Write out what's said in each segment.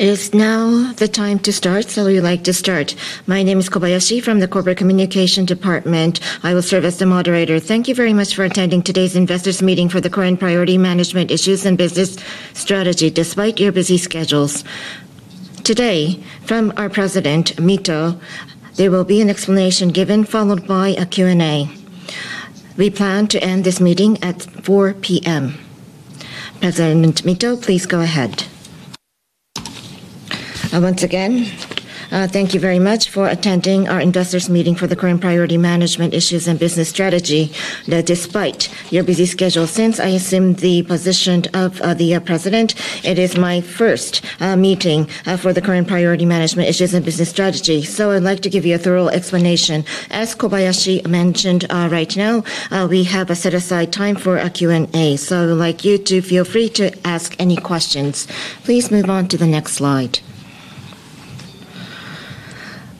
It is now the time to start, so we would like to start. My name is Kobayashi from the Corporate Communication Department. I will serve as the moderator. Thank you very much for attending today's investors' meeting for the current priority management issues and business strategy, despite your busy schedules. Today, from our President, Mito, there will be an explanation given, followed by a Q&A. We plan to end this meeting at 4:00 P.M. President Mito, please go ahead. Once again, thank you very much for attending our investors' meeting for the current priority management issues and business strategy, despite your busy schedule. Since I assumed the position of the President, it is my first meeting for the current priority management issues and business strategy, so I'd like to give you a thorough explanation. As Kobayashi mentioned, right now, we have set aside time for a Q&A, so I would like you to feel free to ask any questions. Please move on to the next slide.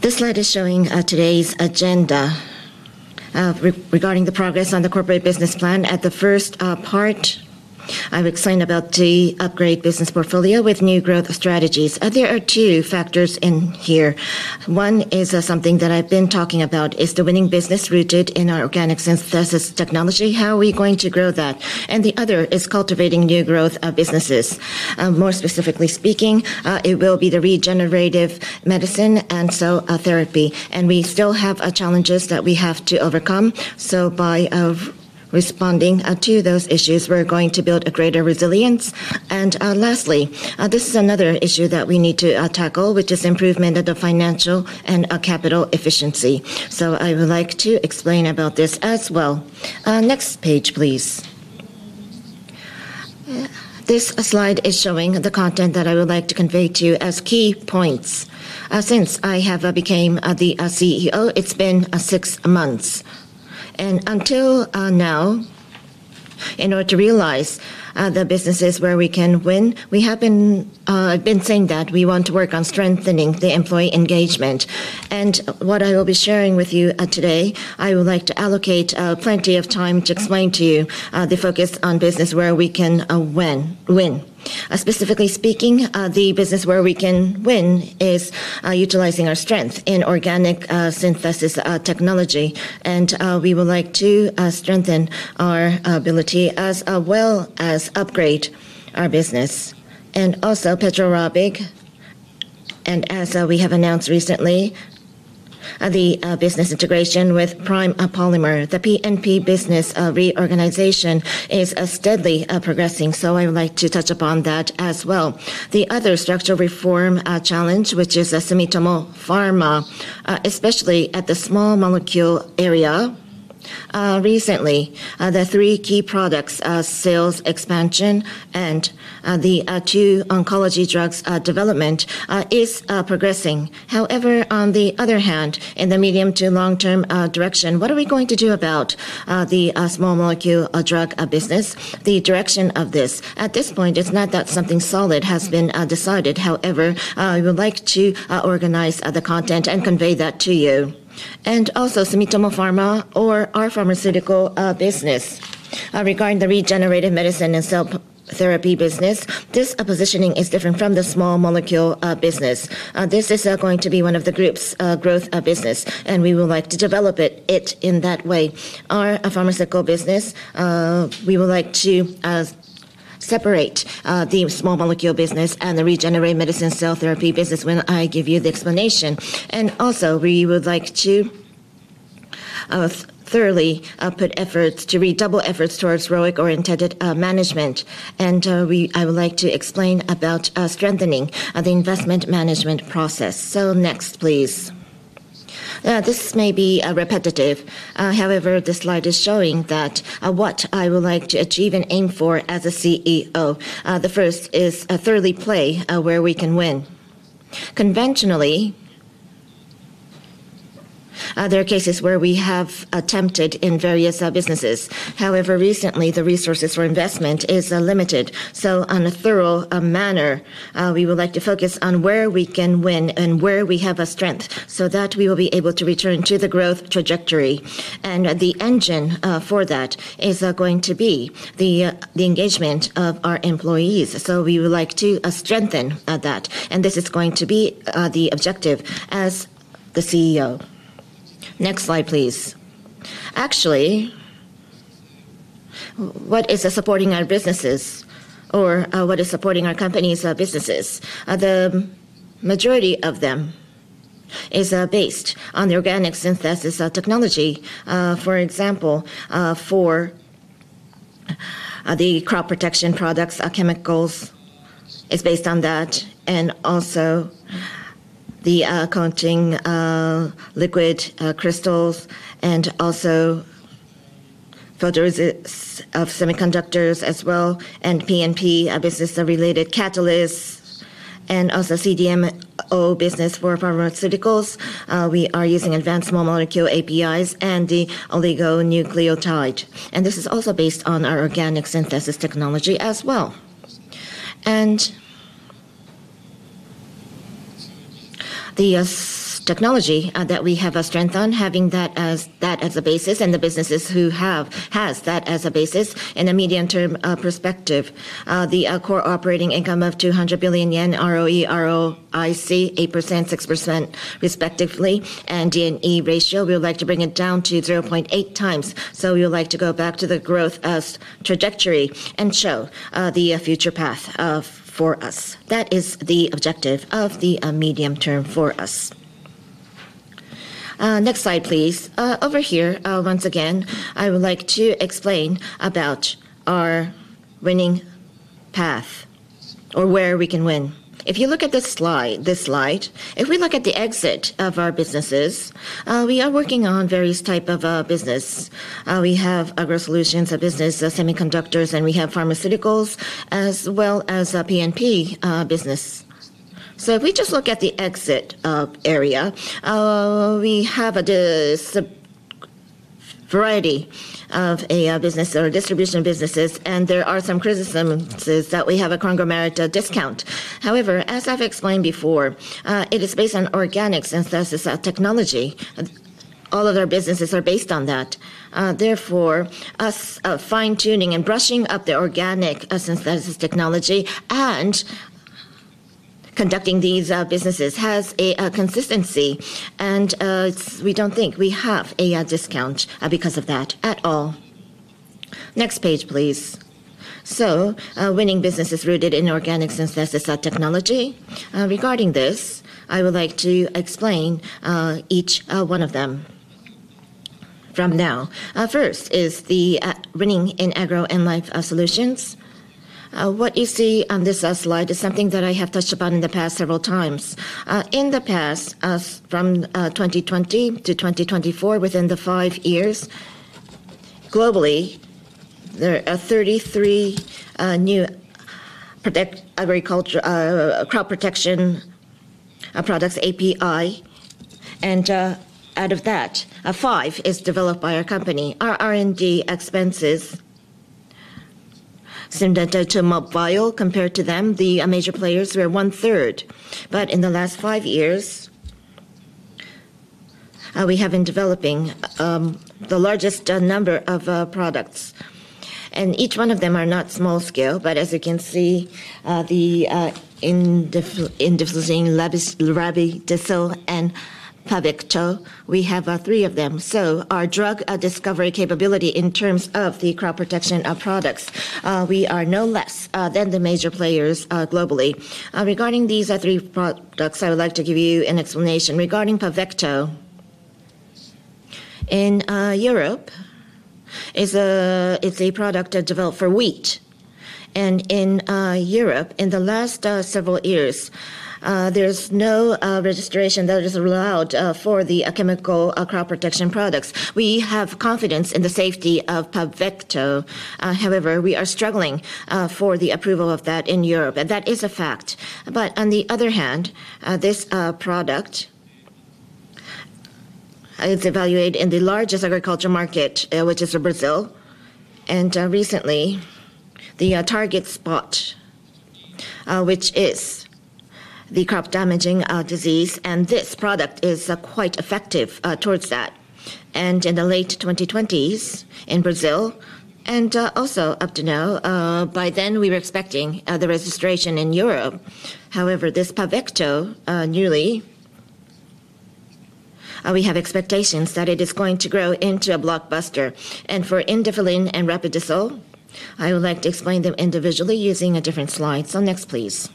This slide is showing today's agenda regarding the progress on the corporate business plan. At the first part, I have explained about the upgrade business portfolio with new growth strategies. There are two factors in here. One is something that I have been talking about: the winning business rooted in our organic synthesis technology. How are we going to grow that? The other is cultivating new growth businesses. More specifically speaking, it will be the regenerative medicine and cell therapy. We still have challenges that we have to overcome, by responding to those issues, we're going to build a greater resilience. Lastly, this is another issue that we need to tackle, which is improvement of the financial and capital efficiency. I would like to explain about this as well. Next page, please. This slide is showing the content that I would like to convey to you as key points. Since I have become the CEO, it's been six months. Until now, in order to realize the businesses where we can win, we have been saying that we want to work on strengthening the employee engagement. What I will be sharing with you today, I would like to allocate plenty of time to explain to you the focus on businesses where we can win. Specifically speaking, the businesses where we can win are utilizing our strength in organic synthesis technology, and we would like to strengthen our ability, as well as upgrade our business. Also, Petro Rabigh, and as we have announced recently, the business integration with Prime Polymer, the P&P business reorganization, is steadily progressing, so I would like to touch upon that as well. The other structural reform challenge, which is Sumitomo Pharma, especially at the small molecule area, recently, the three key products: sales expansion and the two oncology drugs development, is progressing. However, on the other hand, in the medium to long-term direction, what are we going to do about the small molecule drug business? The direction of this, at this point, it's not that something solid has been decided. However, I would like to organize the content and convey that to you. Also, Sumitomo Pharma, or our pharmaceutical business, regarding the regenerative medicine and cell therapy business, this positioning is different from the small molecule business. This is going to be one of the group's growth businesses, and we would like to develop it in that way. Our pharmaceutical business, we would like to separate the small molecule business and the regenerative medicine and cell therapy business when I give you the explanation. We would like to thoroughly put efforts to redouble efforts towards growth-oriented management. I would like to explain about strengthening the investment management process. Next, please. This may be repetitive. However, this slide is showing what I would like to achieve and aim for as a CEO. The first is thoroughly play where we can win. Conventionally, there are cases where we have attempted in various businesses. However, recently, the resources for investment are limited. In a thorough manner, we would like to focus on where we can win and where we have a strength, so that we will be able to return to the growth trajectory. The engine for that is going to be the engagement of our employees. We would like to strengthen that. This is going to be the objective as the CEO. Next slide, please. Actually, what is supporting our businesses, or what is supporting our company's businesses? The majority of them is based on the organic synthesis technology. For example, for the crop protection products, chemicals are based on that, and also the counting liquid crystals, and also photoresist of semiconductors as well, and P&P business-related catalysts, and also CDMO business for pharmaceuticals. We are using advanced small molecule APIs and the oligonucleotide. This is also based on our organic synthesis technology as well. The technology that we have a strength on, having that as a basis, and the businesses who have that as a basis, in a medium-term perspective, the core operating income of ¥200 billion, ROE, ROIC 8%, 6%, respectively, and D/E ratio, we would like to bring it down to 0.8 times. We would like to go back to the growth trajectory and show the future path for us. That is the objective of the medium term for us. Next slide, please. Over here, once again, I would like to explain about our winning path, or where we can win. If you look at this slide, if we look at the exit of our businesses, we are working on various types of businesses. We have growth solutions businesses, semiconductors, and we have pharmaceuticals, as well as P&P businesses. If we just look at the exit area, we have a variety of distribution businesses, and there are some criticisms that we have a conglomerate discount. However, as I have explained before, it is based on organic synthesis technology. All of our businesses are based on that. Therefore, us fine-tuning and brushing up the organic synthesis technology and conducting these businesses has a consistency, and we don't think we have a discount because of that at all. Next page, please. Winning businesses rooted in organic synthesis technology. Regarding this, I would like to explain each one of them from now. First is the winning in agro and life solutions. What you see on this slide is something that I have touched upon in the past several times. In the past, from 2020 to 2024, within the five years, globally, there are 33 new crop protection products API, and out of that, five are developed by our company. Our R&D expenses seem to move while compared to them, the major players, we're one-third. In the last five years, we have been developing the largest number of products. Each one of them is not small scale, but as you can see, Indiflin, Rapidacil, and Pavechto, we have three of them. Our drug discovery capability in terms of the crop protection products, we are no less than the major players globally. Regarding these three products, I would like to give you an explanation. Regarding Pavechto, in Europe, it's a product developed for wheat. In Europe, in the last several years, there is no registration that is allowed for the chemical crop protection products. We have confidence in the safety of Pavechto. However, we are struggling for the approval of that in Europe, and that is a fact. On the other hand, this product is evaluated in the largest agricultural market, which is Brazil. Recently, the target spot, which is the crop-damaging disease, and this product is quite effective towards that. In the late 2020s in Brazil, and also up to now, by then we were expecting the registration in Europe. This Pavechto, newly, we have expectations that it is going to grow into a blockbuster. For Indiflin and Rapidacil, I would like to explain them individually using a different slide. Next, please.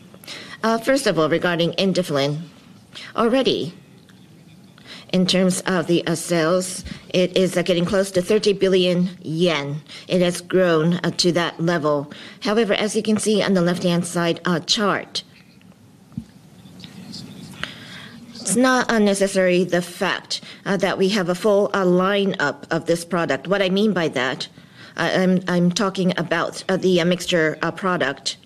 First of all, regarding Indiflin, already, in terms of the sales, it is getting close to ¥30 billion. It has grown to that level. As you can see on the left-hand side chart, it's not necessarily the fact that we have a full lineup of this product. What I mean by that, I'm talking about the mixture product.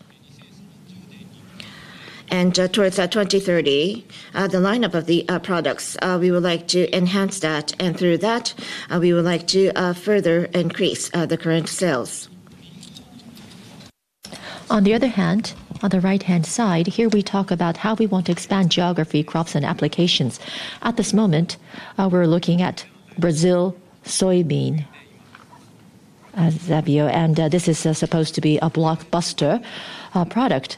Towards 2030, the lineup of the products, we would like to enhance that, and through that, we would like to further increase the current sales. On the right-hand side, here we talk about how we want to expand geography, crops, and applications. At this moment, we're looking at Brazil soybean as a view. This is supposed to be a blockbuster product.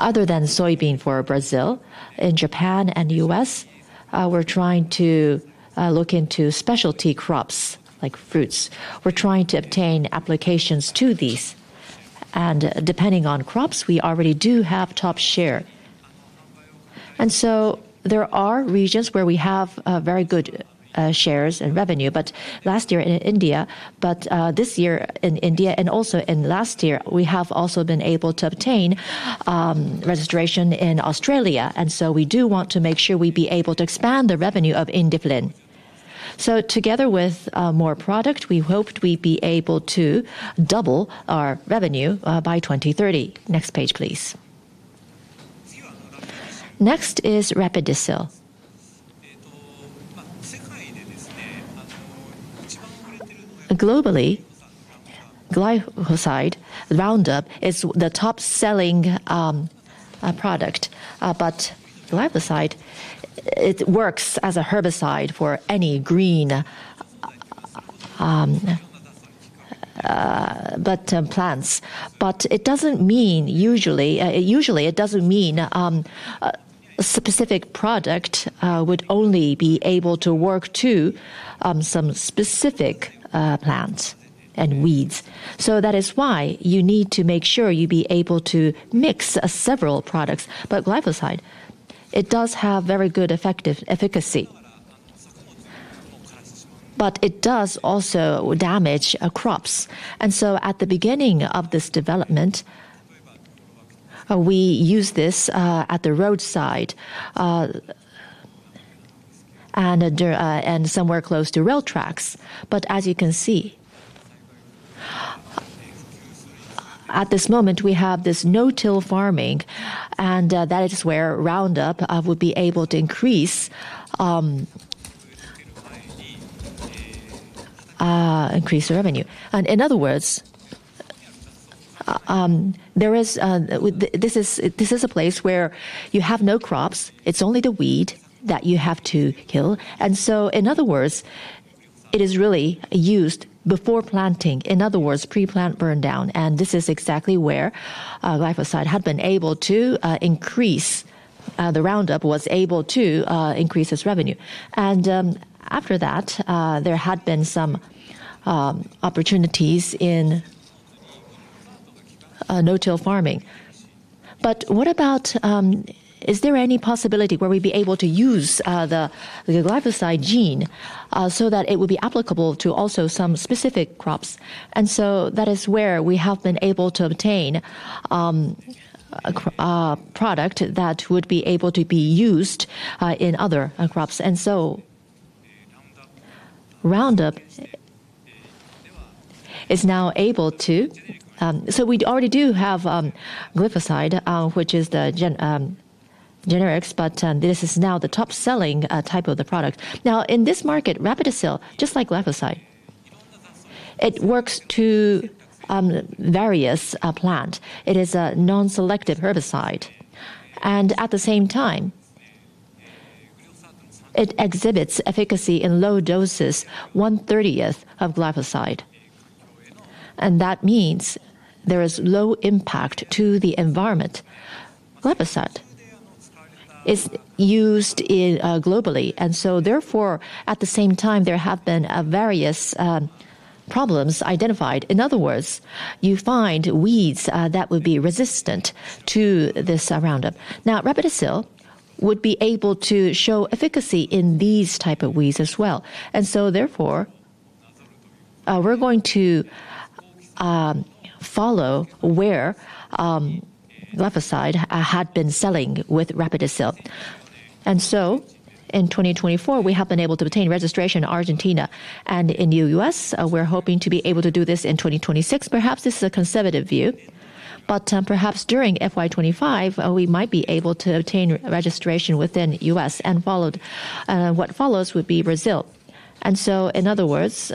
Other than soybean for Brazil, in Japan and the U.S., we're trying to look into specialty crops, like fruits. We're trying to obtain applications to these. Depending on crops, we already do have top share. There are regions where we have very good shares and revenue. Last year in India, but this year in India, and also in last year, we have also been able to obtain registration in Australia. We do want to make sure we'd be able to expand the revenue of Indiflin. Together with more product, we hoped we'd be able to double our revenue by 2030. Next page, please. Next is Rapidacil. Globally, Glyphosate Roundup is the top-selling product. Glyphosate, it works as a herbicide for any green plants. It doesn't mean usually, it doesn't mean a specific product would only be able to work to some specific plants and weeds. That is why you need to make sure you'd be able to mix several products. Glyphosate, it does have very good efficacy. It does also damage crops. At the beginning of this development, we used this at the roadside and somewhere close to rail tracks. As you can see, at this moment, we have this no-till farming, and that is where Roundup would be able to increase revenue. In other words, this is a place where you have no crops. It's only the weed that you have to kill. It is really used before planting, in other words, pre-plant burndown. This is exactly where glyphosate had been able to increase. Roundup was able to increase its revenue. After that, there had been some opportunities in no-till farming. What about, is there any possibility where we'd be able to use the glyphosate gene so that it would be applicable to also some specific crops? That is where we have been able to obtain a product that would be able to be used in other crops. Roundup is now able to, so we already do have glyphosate, which is the generics, but this is now the top-selling type of the product. Now, in this market, Rapidacil, just like glyphosate, works to various plants. It is a non-selective herbicide. At the same time, it exhibits efficacy in low doses, one-thirtieth of glyphosate. That means there is low impact to the environment. Glyphosate is used globally. Therefore, at the same time, there have been various problems identified. In other words, you find weeds that would be resistant to this Roundup. Rapidacil would be able to show efficacy in these types of weeds as well. Therefore, we're going to follow where glyphosate had been selling with Rapidacil. In 2024, we have been able to obtain registration in Argentina. In the U.S., we're hoping to be able to do this in 2026. Perhaps this is a conservative view. Perhaps during FY2025, we might be able to obtain registration within the U.S. What follows would be Brazil. In other words,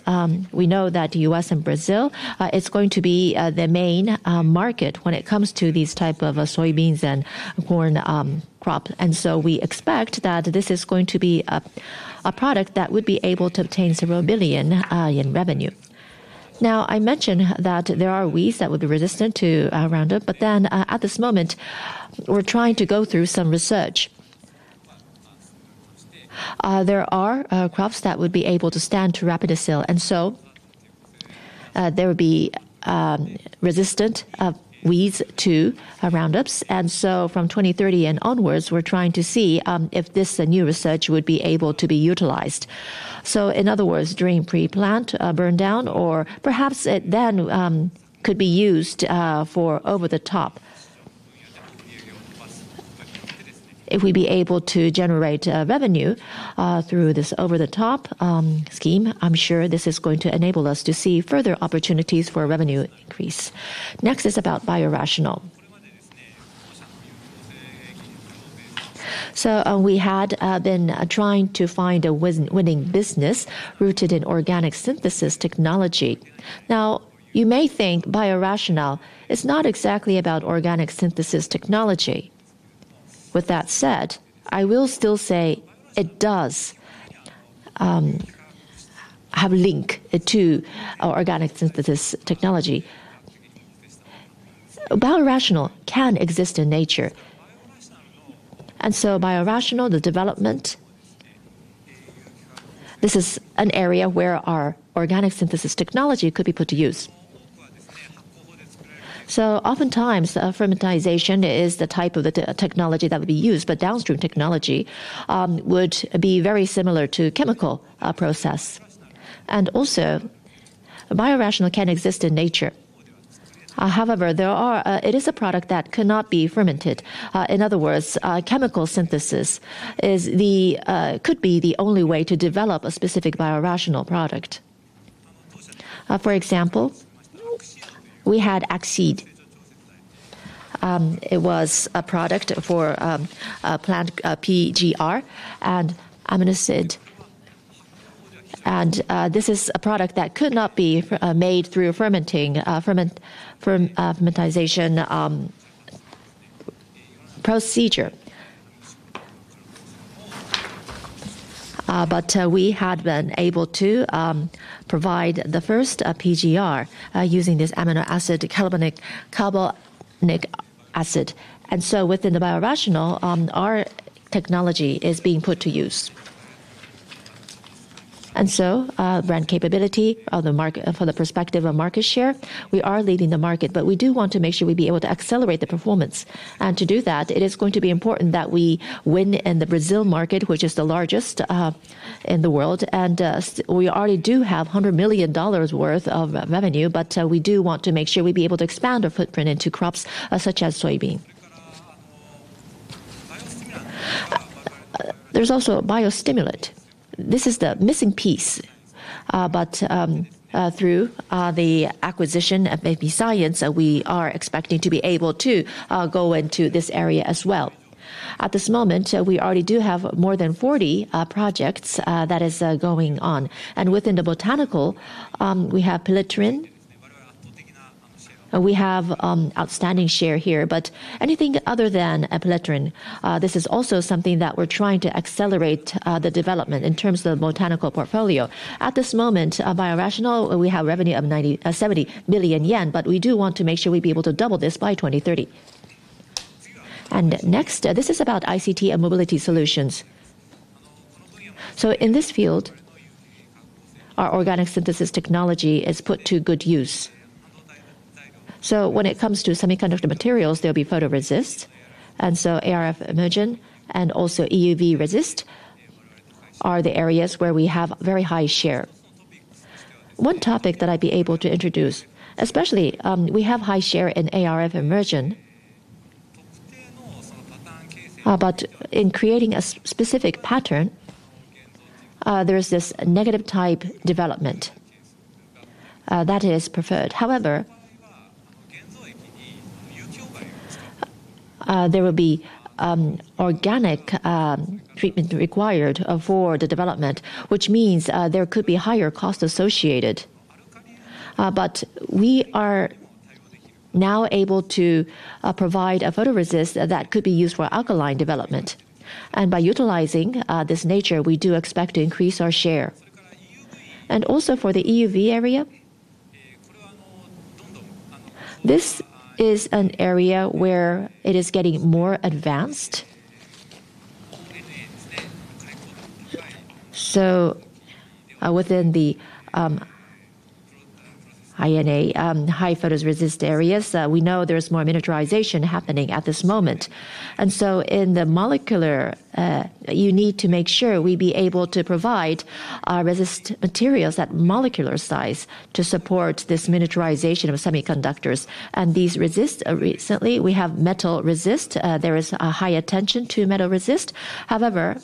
we know that the U.S. and Brazil are going to be the main market when it comes to these types of soybeans and corn crops. We expect that this is going to be a product that would be able to obtain several billion in revenue. I mentioned that there are weeds that would be resistant to Roundup, but at this moment, we're trying to go through some research. There are crops that would be able to stand to Rapidacil. There would be resistant weeds to Roundup. From 2030 and onwards, we're trying to see if this new research would be able to be utilized. In other words, during pre-plant burndown, or perhaps it then could be used for over-the-top. If we'd be able to generate revenue through this over-the-top scheme, I'm sure this is going to enable us to see further opportunities for revenue increase. Next is about BioRational. We had been trying to find a winning business rooted in organic synthesis technology. You may think BioRational is not exactly about organic synthesis technology. With that said, I will still say it does have a link to organic synthesis technology. BioRational can exist in nature. BioRational, the development, this is an area where our organic synthesis technology could be put to use. Oftentimes, fermentation is the type of technology that would be used, but downstream technology would be very similar to the chemical process. Also, BioRational can exist in nature. However, it is a product that cannot be fermented. In other words, chemical synthesis could be the only way to develop a specific BioRational product. For example, we had Axeed. It was a product for plant PGR and amino acids. This is a product that could not be made through fermentation procedure. We had been able to provide the first PGR using this amino acid, carbonic acid. Within the BioRational, our technology is being put to use. Brand capability from the perspective of market share, we are leading the market, but we do want to make sure we'd be able to accelerate the performance. To do that, it is going to be important that we win in the Brazil market, which is the largest in the world. We already do have $100 million worth of revenue, but we do want to make sure we'd be able to expand our footprint into crops such as soybean. There's also biostimulant. This is the missing piece. Through the acquisition of AP Science, we are expecting to be able to go into this area as well. At this moment, we already do have more than 40 projects that are going on. Within the botanical, we have Pelletrine. We have outstanding share here, but anything other than Pelletrine, this is also something that we're trying to accelerate the development in terms of the botanical portfolio. At this moment, BioRational, we have a revenue of ¥70 billion, but we do want to make sure we'd be able to double this by 2030. Next, this is about ICT and mobility solutions. In this field, our organic synthesis technology is put to good use. When it comes to semiconductor materials, there will be photoresist. ARF emergent and also EUV resist are the areas where we have very high share. One topic that I'd be able to introduce, especially we have high share in ARF emergent, but in creating a specific pattern, there is this negative type development that is preferred. However, there will be organic treatment required for the development, which means there could be higher costs associated. We are now able to provide a photoresist that could be used for alkaline development. By utilizing this nature, we do expect to increase our share. Also, for the EUV area, this is an area where it is getting more advanced. Within the high photoresist areas, we know there's more miniaturization happening at this moment. In the molecular, you need to make sure we'd be able to provide resist materials at molecular size to support this miniaturization of semiconductors. These resist recently, we have metal resist. There is a high attention to metal resist. However,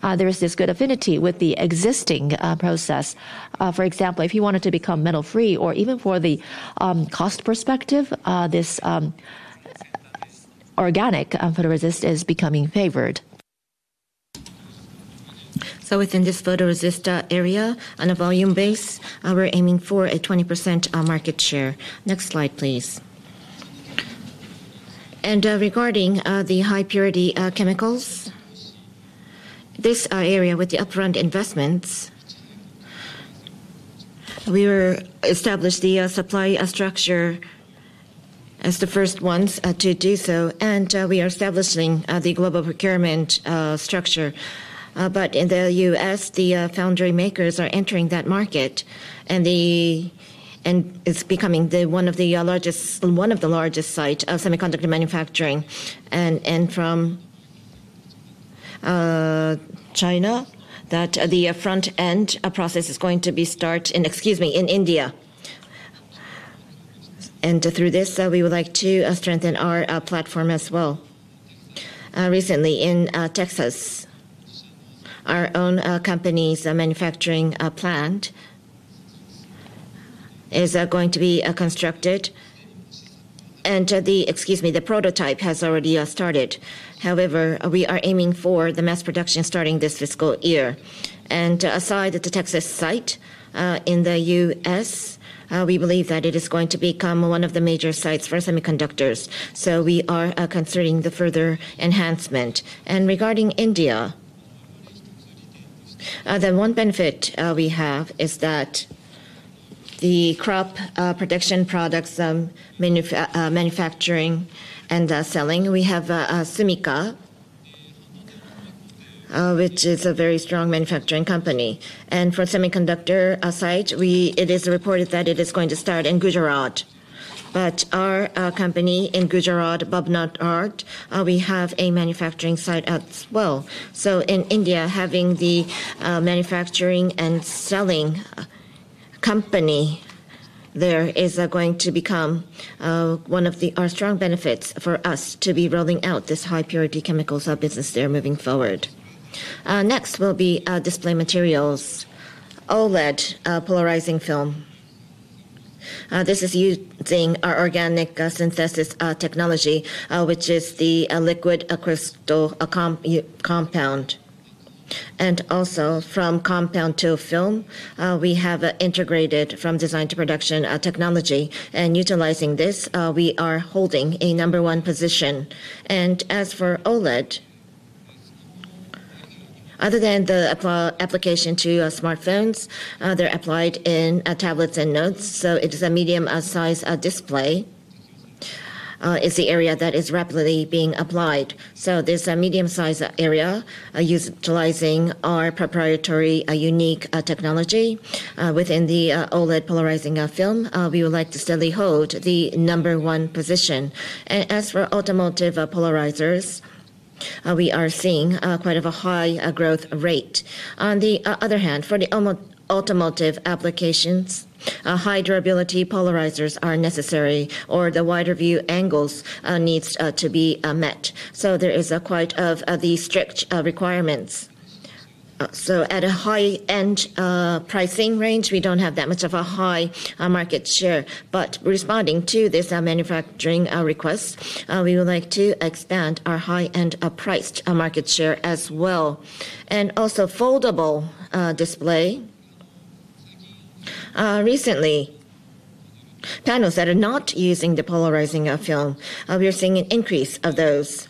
there is this good affinity with the existing process. For example, if you wanted to become metal-free, or even from the cost perspective, this organic photoresist is becoming favored. Within this photoresist area and a volume base, we're aiming for a 20% market share. Next slide, please. Regarding the high-purity chemicals, this area with the upfront investments, we established the supply structure as the first ones to do so. We are establishing the global procurement structure. In the U.S., the foundry makers are entering that market, and it's becoming one of the largest sites of semiconductor manufacturing. From China, the front-end process is going to be started in India. Through this, we would like to strengthen our platform as well. Recently, in Texas, our own company's manufacturing plant is going to be constructed. The prototype has already started. We are aiming for the mass production starting this fiscal year. Aside from the Texas site in the U.S., we believe that it is going to become one of the major sites for semiconductors. We are considering the further enhancement. Regarding India, the one benefit we have is that the crop protection products, manufacturing, and selling, we have Sumika, which is a very strong manufacturing company. For the semiconductor side, it is reported that it is going to start in Gujarat. Our company in Gujarat, Babnat Art, we have a manufacturing site as well. In India, having the manufacturing and selling company there is going to become one of our strong benefits for us to be rolling out this high-purity chemicals business there moving forward. Next will be display materials, OLED polarizing film. This is using our organic synthesis technology, which is the liquid crystal compound. Also, from compound to film, we have integrated from design to production technology. Utilizing this, we are holding a number one position. As for OLED, other than the application to smartphones, they're applied in tablets and notes. It is a medium-sized display. It's the area that is rapidly being applied. This is a medium-sized area utilizing our proprietary unique technology. Within the OLED polarizing film, we would like to still hold the number one position. As for automotive polarizers, we are seeing quite a high growth rate. On the other hand, for the automotive applications, high durability polarizers are necessary, or the wider view angles need to be met. There are quite the strict requirements. At a high-end pricing range, we don't have that much of a high market share. Responding to this manufacturing request, we would like to expand our high-end priced market share as well. Also, foldable display. Recently, panels that are not using the polarizing film, we are seeing an increase of those.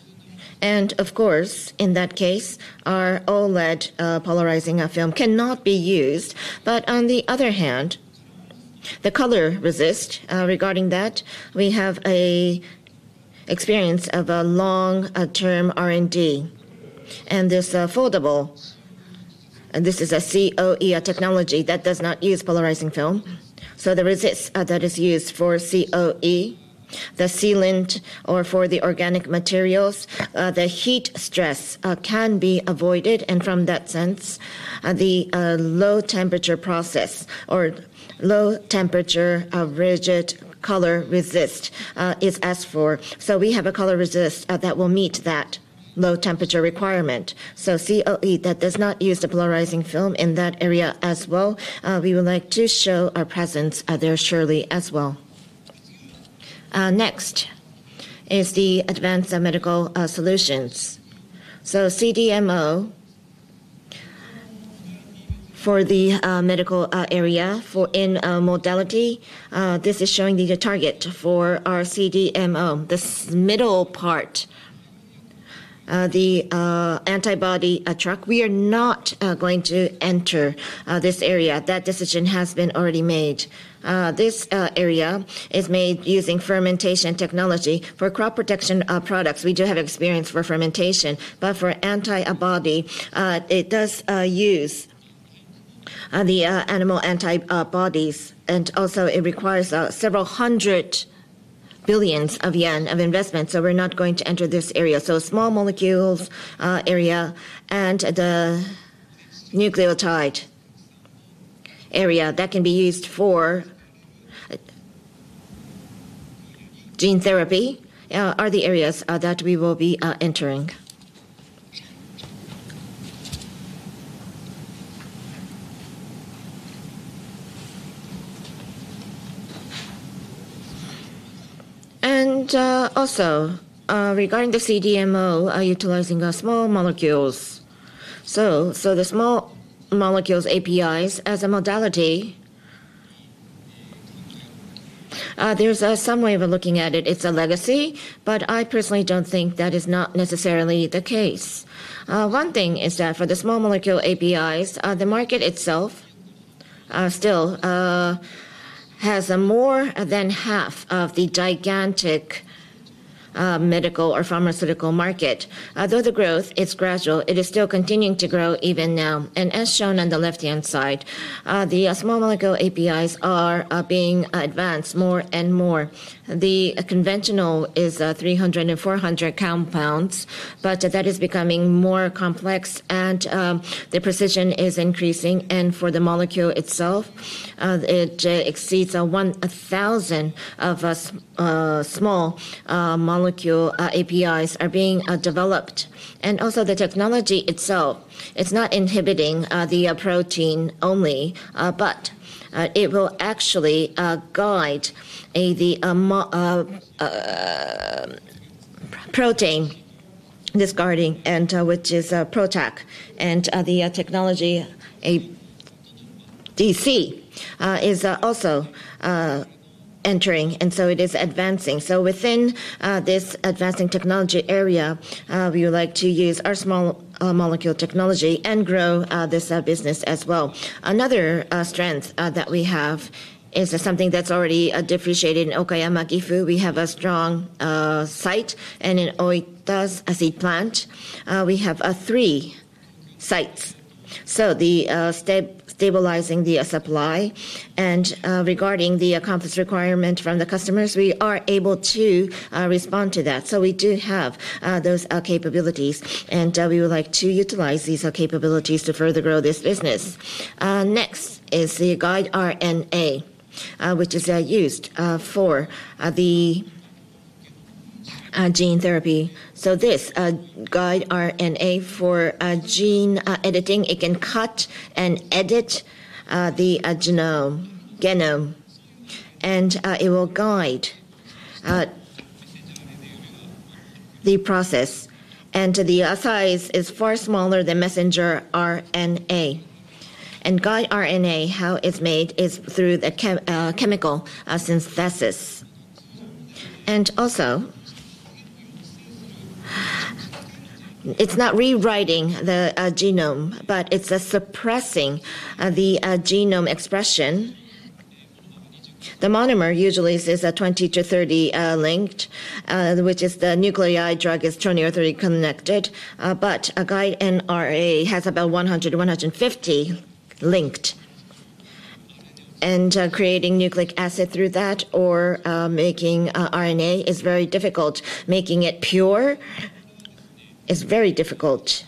Of course, in that case, our OLED polarizing film cannot be used. On the other hand, the color resist. Regarding that, we have an experience of a long-term R&D. This foldable, this is a COE technology that does not use polarizing film. The resist that is used for COE, the sealant, or for the organic materials, the heat stress can be avoided. From that sense, the low-temperature process or low-temperature rigid color resist is asked for. We have a color resist that will meet that low-temperature requirement. COE that does not use the polarizing film in that area as well, we would like to show our presence there surely as well. Next is the advanced medical solutions. CDMO for the medical area for in-modality, this is showing the target for our CDMO, this middle part, the antibody truck. We are not going to enter this area. That decision has been already made. This area is made using fermentation technology for crop protection products. We do have experience for fermentation. For antibody, it does use the animal antibodies. It requires several hundred billion yen of investment. We're not going to enter this area. The small molecules area and the nucleotide area that can be used for gene therapy are the areas that we will be entering. Regarding the CDMO, utilizing small molecules, the small molecules APIs as a modality, there's some way of looking at it. It's a legacy, but I personally don't think that is necessarily the case. One thing is that for the small molecule APIs, the market itself still has more than half of the gigantic medical or pharmaceutical market. Although the growth is gradual, it is still continuing to grow even now. As shown on the left-hand side, the small molecule APIs are being advanced more and more. The conventional is 300 and 400 compounds, but that is becoming more complex, and the precision is increasing. For the molecule itself, it exceeds 1,000 of small molecule APIs are being developed. The technology itself is not inhibiting the protein only, but it will actually guide the protein discarding, which is Protec. The technology ADC is also entering, and it is advancing. Within this advancing technology area, we would like to use our small molecule technology and grow this business as well. Another strength that we have is something that's already depreciated in Okayama, Gifu. We have a strong site in an oil as a plant. We have three sites, so stabilizing the supply. Regarding the compost requirement from the customers, we are able to respond to that. We do have those capabilities, and we would like to utilize these capabilities to further grow this business. Next is the guide RNA, which is used for gene therapy. This guide RNA for gene editing can cut and edit the genome, and it will guide the process. The size is far smaller than messenger RNA. Guide RNA, how it's made, is through chemical synthesis. It's not rewriting the genome, but it's suppressing the genome expression. The monomer usually is a 20 to 30 linked, which is the nuclei drug is 20 or 30 connected. A guide RNA has about 100 to 150 linked. Creating nucleic acid through that or making RNA is very difficult. Making it pure is very difficult.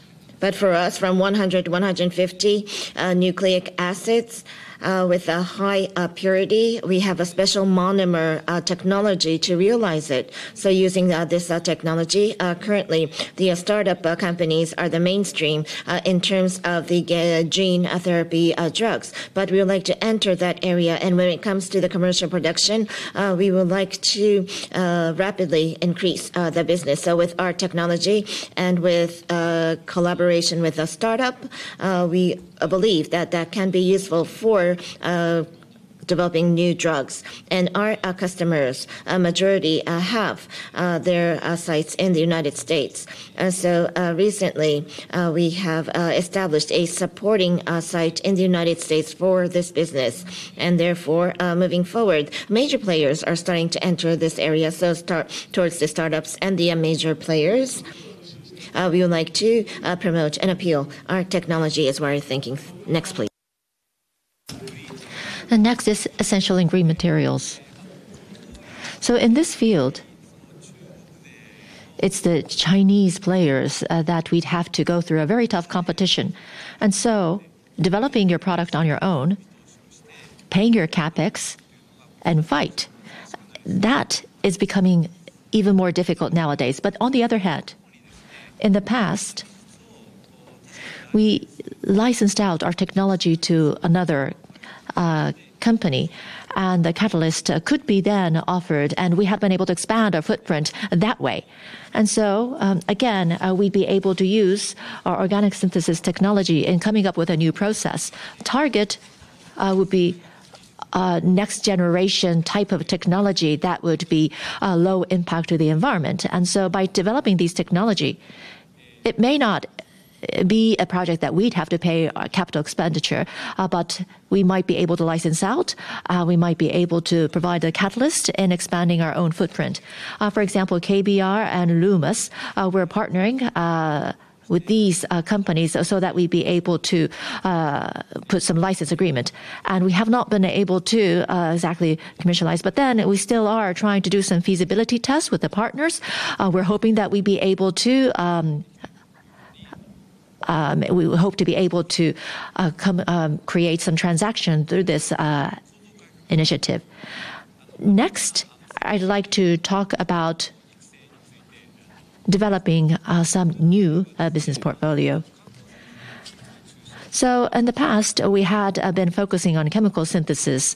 For us, from 100 to 150 nucleic acids with a high purity, we have a special monomer technology to realize it. Using this technology, currently, the startup companies are the mainstream in terms of the gene therapy drugs. We would like to enter that area. When it comes to the commercial production, we would like to rapidly increase the business. With our technology and with collaboration with a startup, we believe that that can be useful for developing new drugs. Our customers, a majority, have their sites in the United States. Recently, we have established a supporting site in the United States for this business. Therefore, moving forward, major players are starting to enter this area. Towards the startups and the major players, we would like to promote and appeal our technology is why we're thinking. Next, please. Next is essential ingredient materials. In this field, it's the Chinese players that we'd have to go through a very tough competition. Developing your product on your own, paying your CapEx, and fight, that is becoming even more difficult nowadays. On the other hand, in the past, we licensed out our technology to another company, and the catalyst could be then offered. We have been able to expand our footprint that way. Again, we'd be able to use our organic synthesis technology in coming up with a new process. Target would be next-generation type of technology that would be low impact to the environment. By developing this technology, it may not be a project that we'd have to pay capital expenditure, but we might be able to license out. We might be able to provide a catalyst in expanding our own footprint. For example, KBR and Lummus, we're partnering with these companies so that we'd be able to put some license agreement. We have not been able to exactly commercialize, but we still are trying to do some feasibility tests with the partners. We're hoping that we'd be able to, we would hope to be able to create some transaction through this initiative. Next, I'd like to talk about developing some new business portfolio. In the past, we had been focusing on chemical synthesis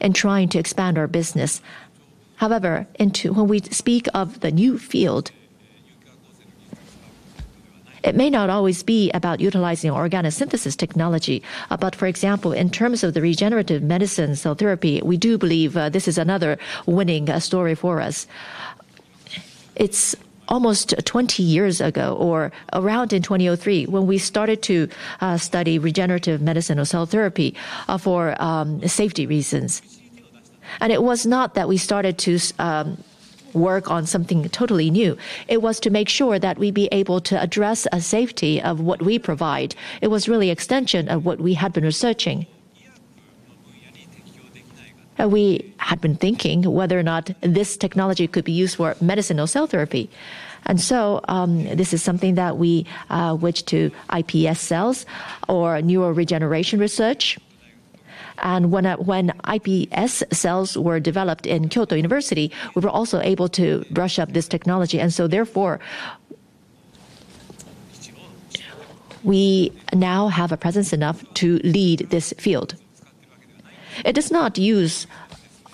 and trying to expand our business. However, when we speak of the new field, it may not always be about utilizing organic synthesis technology. For example, in terms of the regenerative medicine cell therapy, we do believe this is another winning story for us. It's almost 20 years ago, or around in 2003, when we started to study regenerative medicine or cell therapy for safety reasons. It was not that we started to work on something totally new. It was to make sure that we'd be able to address the safety of what we provide. It was really an extension of what we had been researching. We had been thinking whether or not this technology could be used for medicine or cell therapy. This is something that we went to iPS cells or neuroregeneration research. When iPS cells were developed in Kyoto University, we were also able to brush up this technology. Therefore, we now have a presence enough to lead this field. It does not use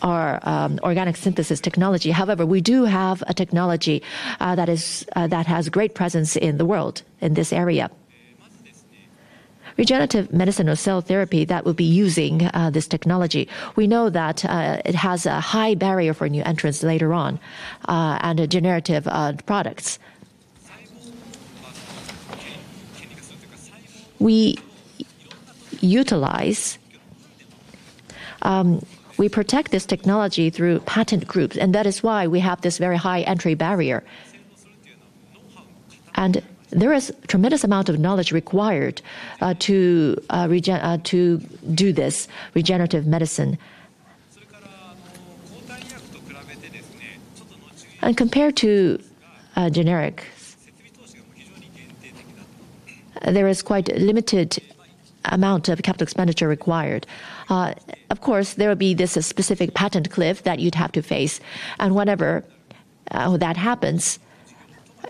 our organic synthesis technology. However, we do have a technology that has a great presence in the world in this area. Regenerative medicine or cell therapy that would be using this technology, we know that it has a high barrier for new entrants later on and generative products. We protect this technology through patent groups, and that is why we have this very high entry barrier. There is a tremendous amount of knowledge required to do this regenerative medicine. Compared to generic, there is quite a limited amount of capital expenditure required. Of course, there will be this specific patent cliff that you'd have to face. Whenever that happens,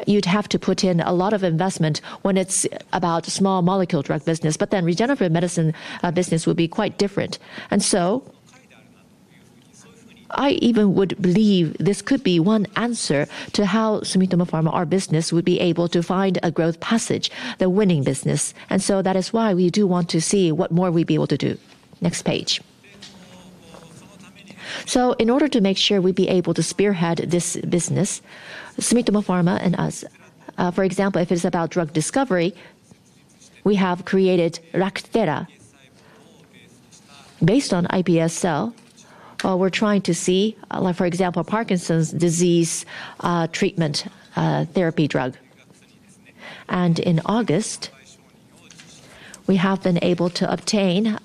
you'd have to put in a lot of investment when it's about small molecule drug business. Regenerative medicine business would be quite different. I even would believe this could be one answer to how Sumitomo Pharma, our business, would be able to find a growth passage, the winning business. That is why we do want to see what more we'd be able to do. Next page. In order to make sure we'd be able to spearhead this business, Sumitomo Pharma and us, for example, if it is about drug discovery, we have created Rakdera based on iPS cell. We're trying to see, for example, Parkinson's disease treatment therapy drug. In August, we have been able to obtain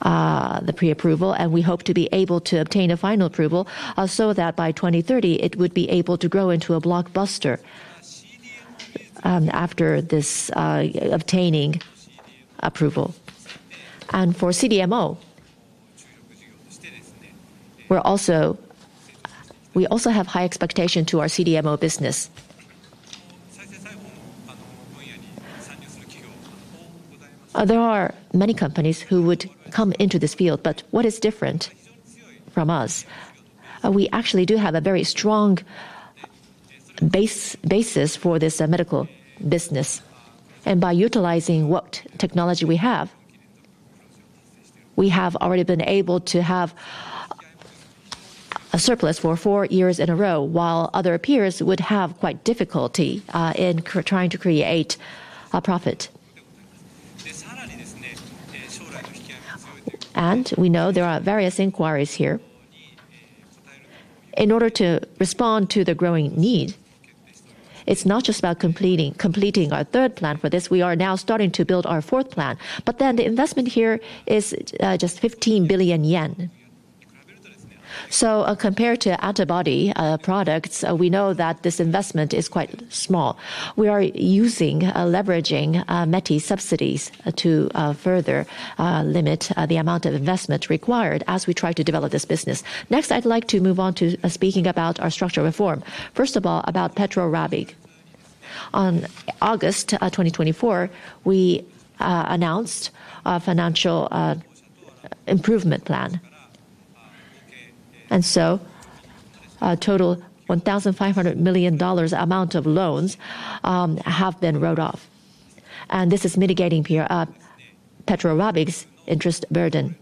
the pre-approval, and we hope to be able to obtain a final approval so that by 2030, it would be able to grow into a blockbuster after this obtaining approval. For CDMO, we also have high expectations to our CDMO business. There are many companies who would come into this field, but what is different from us? We actually do have a very strong basis for this medical business. By utilizing what technology we have, we have already been able to have a surplus for four years in a row, while other peers would have quite difficulty in trying to create a profit. We know there are various inquiries here. In order to respond to the growing need, it's not just about completing our third plan for this. We are now starting to build our fourth plan. The investment here is just ¥15 billion. Compared to antibody products, we know that this investment is quite small. We are leveraging METI subsidies to further limit the amount of investment required as we try to develop this business. Next, I'd like to move on to speaking about our structural reform. First of all, about Petro Rabigh. In August 2024, we announced a financial improvement plan. A total $1,500 million amount of loans have been written off. This is mitigating Petro Rabigh's interest burden.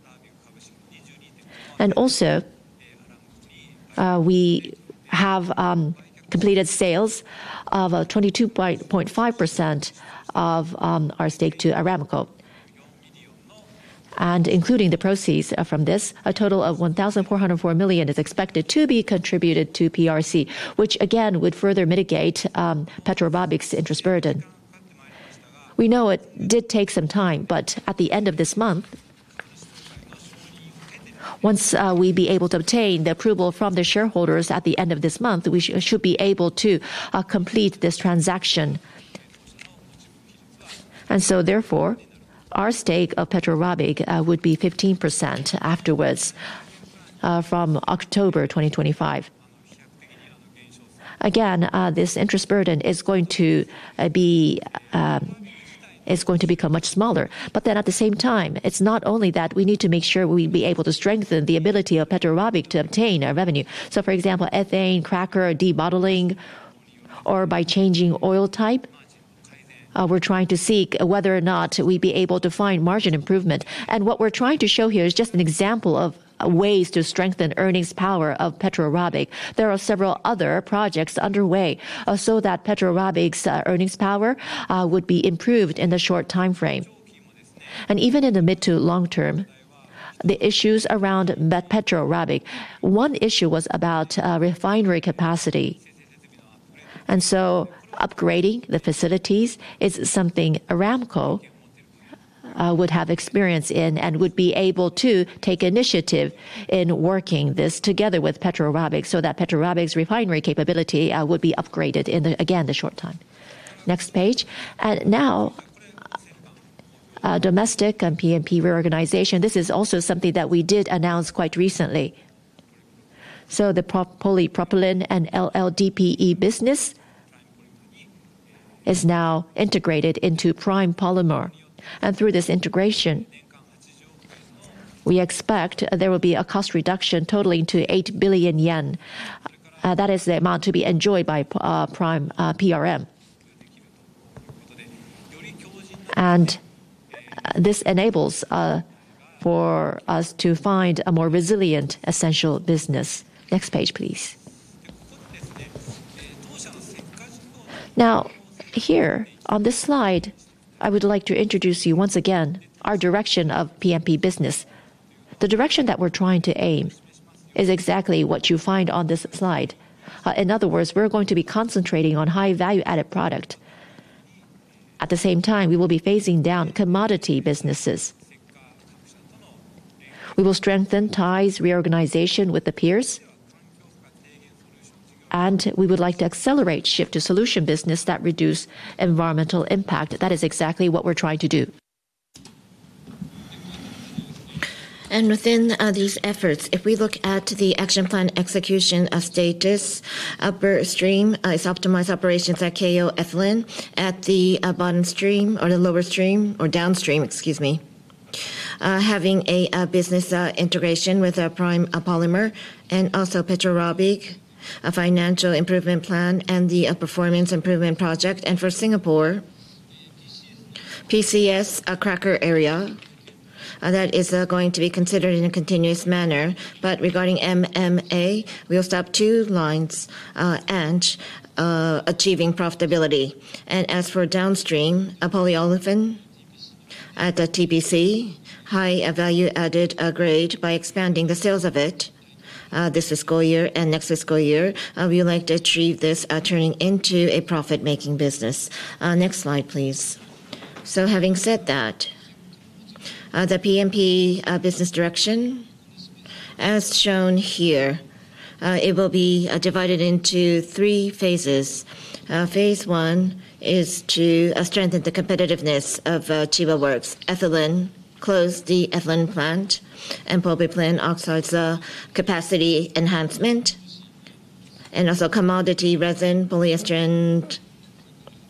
We have completed sales of 22.5% of our stake to Aramco. Including the proceeds from this, a total of $1,404 million is expected to be contributed to PRC, which again would further mitigate Petro Rabigh's interest burden. It did take some time, but at the end of this month, once we'd be able to obtain the approval from the shareholders at the end of this month, we should be able to complete this transaction. Therefore, our stake of Petro Rabigh would be 15% afterwards from October 2025. This interest burden is going to become much smaller. At the same time, it's not only that. We need to make sure we'd be able to strengthen the ability of Petro Rabigh to obtain our revenue. For example, ethane cracker or debottlenecking, or by changing oil type, we're trying to see whether or not we'd be able to find margin improvement. What we're trying to show here is just an example of ways to strengthen earnings power of Petro Rabigh. There are several other projects underway so that Petro Rabigh's earnings power would be improved in the short timeframe. Even in the mid to long term, the issues around Petro Rabigh, one issue was about refinery capacity. Upgrading the facilities is something Aramco would have experience in and would be able to take initiative in working this together with Petro Rabigh so that Petro Rabigh's refinery capability would be upgraded in, again, the short time. Next page. Now, domestic and PMP reorganization, this is also something that we did announce quite recently. The polypropylene and LLDPE business is now integrated into Prime Polymer. Through this integration, we expect there will be a cost reduction totaling to ¥8 billion. That is the amount to be enjoyed by Prime Polymer. This enables us to find a more resilient essential business. Next page, please. Here on this slide, I would like to introduce once again our direction of PMP business. The direction that we're trying to aim is exactly what you find on this slide. In other words, we're going to be concentrating on high-value-added product. At the same time, we will be phasing down commodity businesses. We will strengthen ties, reorganization with the peers, and we would like to accelerate shift to solution business that reduce environmental impact. That is exactly what we're trying to do. Within these efforts, if we look at the action plan execution status, upstream is optimized operations at KO Ethylene. At the downstream, having a business integration with Prime Polymer, and also Petro Rabigh, a financial improvement plan, and the performance improvement project. For Singapore, PCS cracker area, that is going to be considered in a continuous manner. Regarding MMA, we'll stop two lines and achieving profitability. As for downstream, polyolefin at TPC, high value-added grade by expanding the sales of it. This is the school year, and next is the school year. We would like to achieve this turning into a profit-making business. Next slide, please. Having said that, the PMP business direction, as shown here, will be divided into three phases. Phase one is to strengthen the competitiveness of Tebow Works. Ethylene, close the ethylene plant, and polypropylene oxide's capacity enhancement. Also, commodity resin, polyester, and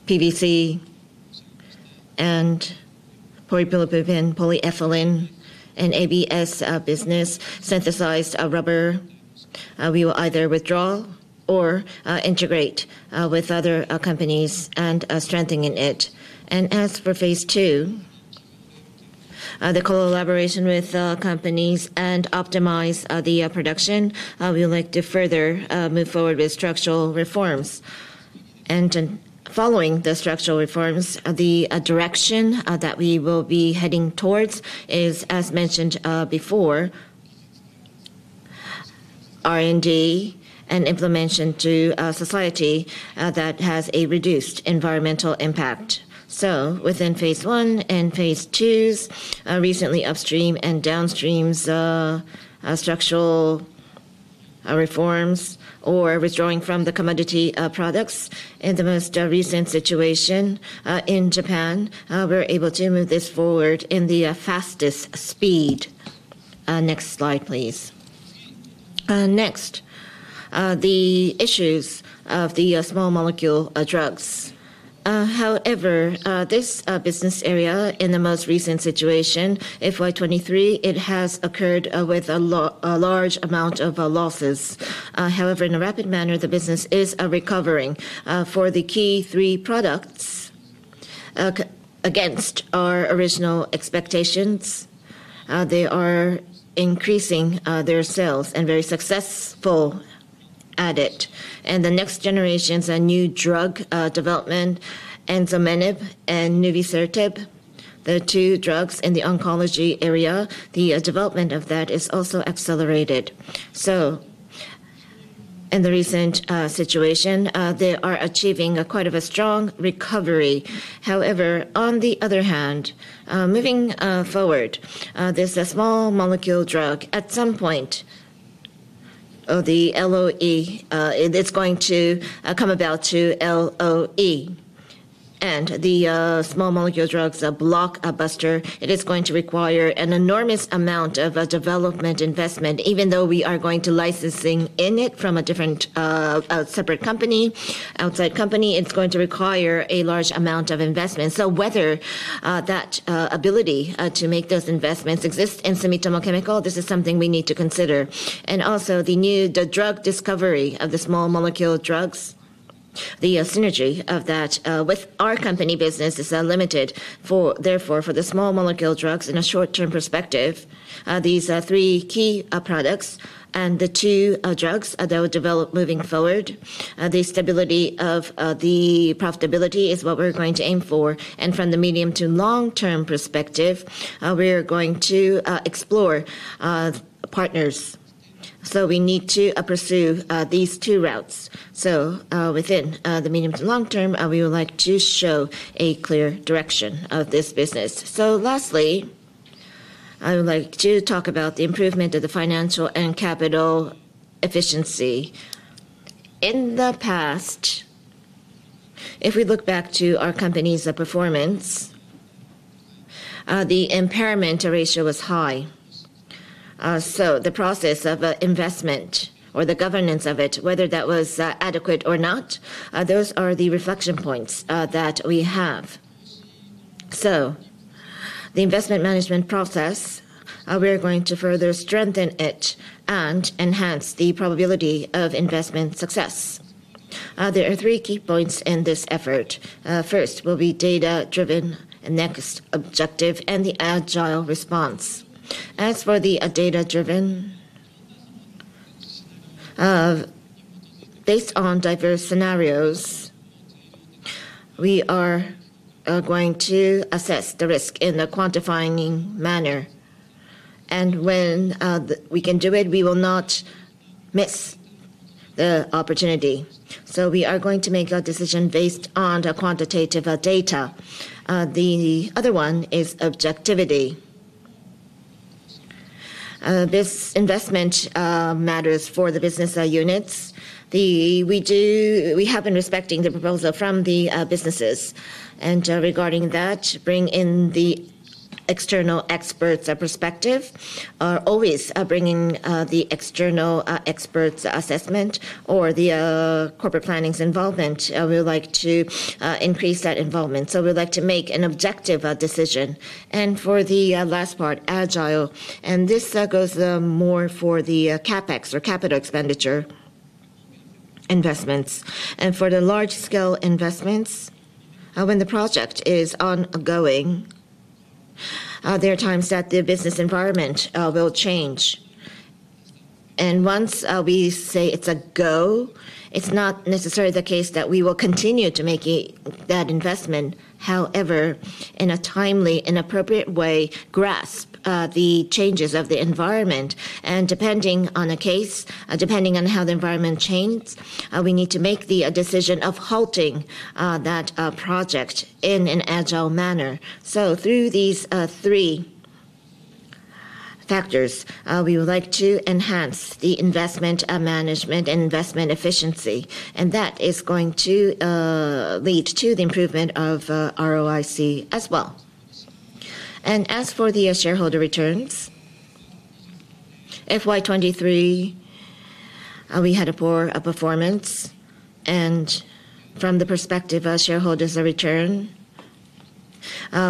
PVC, and polypropylene, polyethylene, and ABS business, synthesized rubber. We will either withdraw or integrate with other companies and strengthen it. As for phase two, the collaboration with companies and optimize the production, we would like to further move forward with structural reforms. Following the structural reforms, the direction that we will be heading towards is, as mentioned before, R&D and implementation to society that has a reduced environmental impact. Within phase one and phase two's recently upstream and downstream structural reforms, or withdrawing from the commodity products, in the most recent situation in Japan, we're able to move this forward in the fastest speed. Next slide, please. Next, the issues of the small molecule drugs. However, this business area in the most recent situation, FY2023, it has occurred with a large amount of losses. However, in a rapid manner, the business is recovering for the key three products against our original expectations. They are increasing their sales and very successful at it. The next generations and new drug development, Enzomenib and Nuvisertib, the two drugs in the oncology area, the development of that is also accelerated. In the recent situation, they are achieving quite a strong recovery. However, on the other hand, moving forward, this small molecule drug, at some point, the LOE, it is going to come about to LOE. The small molecule drugs are a blockbuster. It is going to require an enormous amount of development investment. Even though we are going to licensing in it from a different separate company, outside company, it's going to require a large amount of investment. Whether that ability to make those investments exist in Sumitomo Chemical, this is something we need to consider. Also, the new drug discovery of the small molecule drugs, the synergy of that with our company business is limited. Therefore, for the small molecule drugs in a short-term perspective, these three key products and the two drugs that will develop moving forward, the stability of the profitability is what we're going to aim for. From the medium to long-term perspective, we are going to explore partners. We need to pursue these two routes. Within the medium to long term, we would like to show a clear direction of this business. Lastly, I would like to talk about the improvement of the financial and capital efficiency. In the past, if we look back to our company's performance, the impairment ratio was high. The process of investment or the governance of it, whether that was adequate or not, those are the reflection points that we have. The investment management process, we are going to further strengthen it and enhance the probability of investment success. There are three key points in this effort. First will be data-driven, next objective, and the agile response. As for the data-driven, based on diverse scenarios, we are going to assess the risk in a quantifying manner. When we can do it, we will not miss the opportunity. We are going to make a decision based on quantitative data. The other one is objectivity. This investment matters for the business units. We do, we have been respecting the proposal from the businesses. Regarding that, bring in the external experts' perspective, or always bringing the external experts' assessment or the Corporate Planning's involvement. We would like to increase that involvement. We would like to make an objective decision. For the last part, agile, and this goes more for the CapEx or capital expenditure investments. For the large-scale investments, when the project is ongoing, there are times that the business environment will change. Once we say it's a go, it's not necessarily the case that we will continue to make that investment. However, in a timely and appropriate way, grasp the changes of the environment. Depending on a case, depending on how the environment changes, we need to make the decision of halting that project in an agile manner. Through these three factors, we would like to enhance the investment management and investment efficiency. That is going to lead to the improvement of ROIC as well. As for the shareholder returns, FY2023, we had a poor performance. From the perspective of shareholders' return,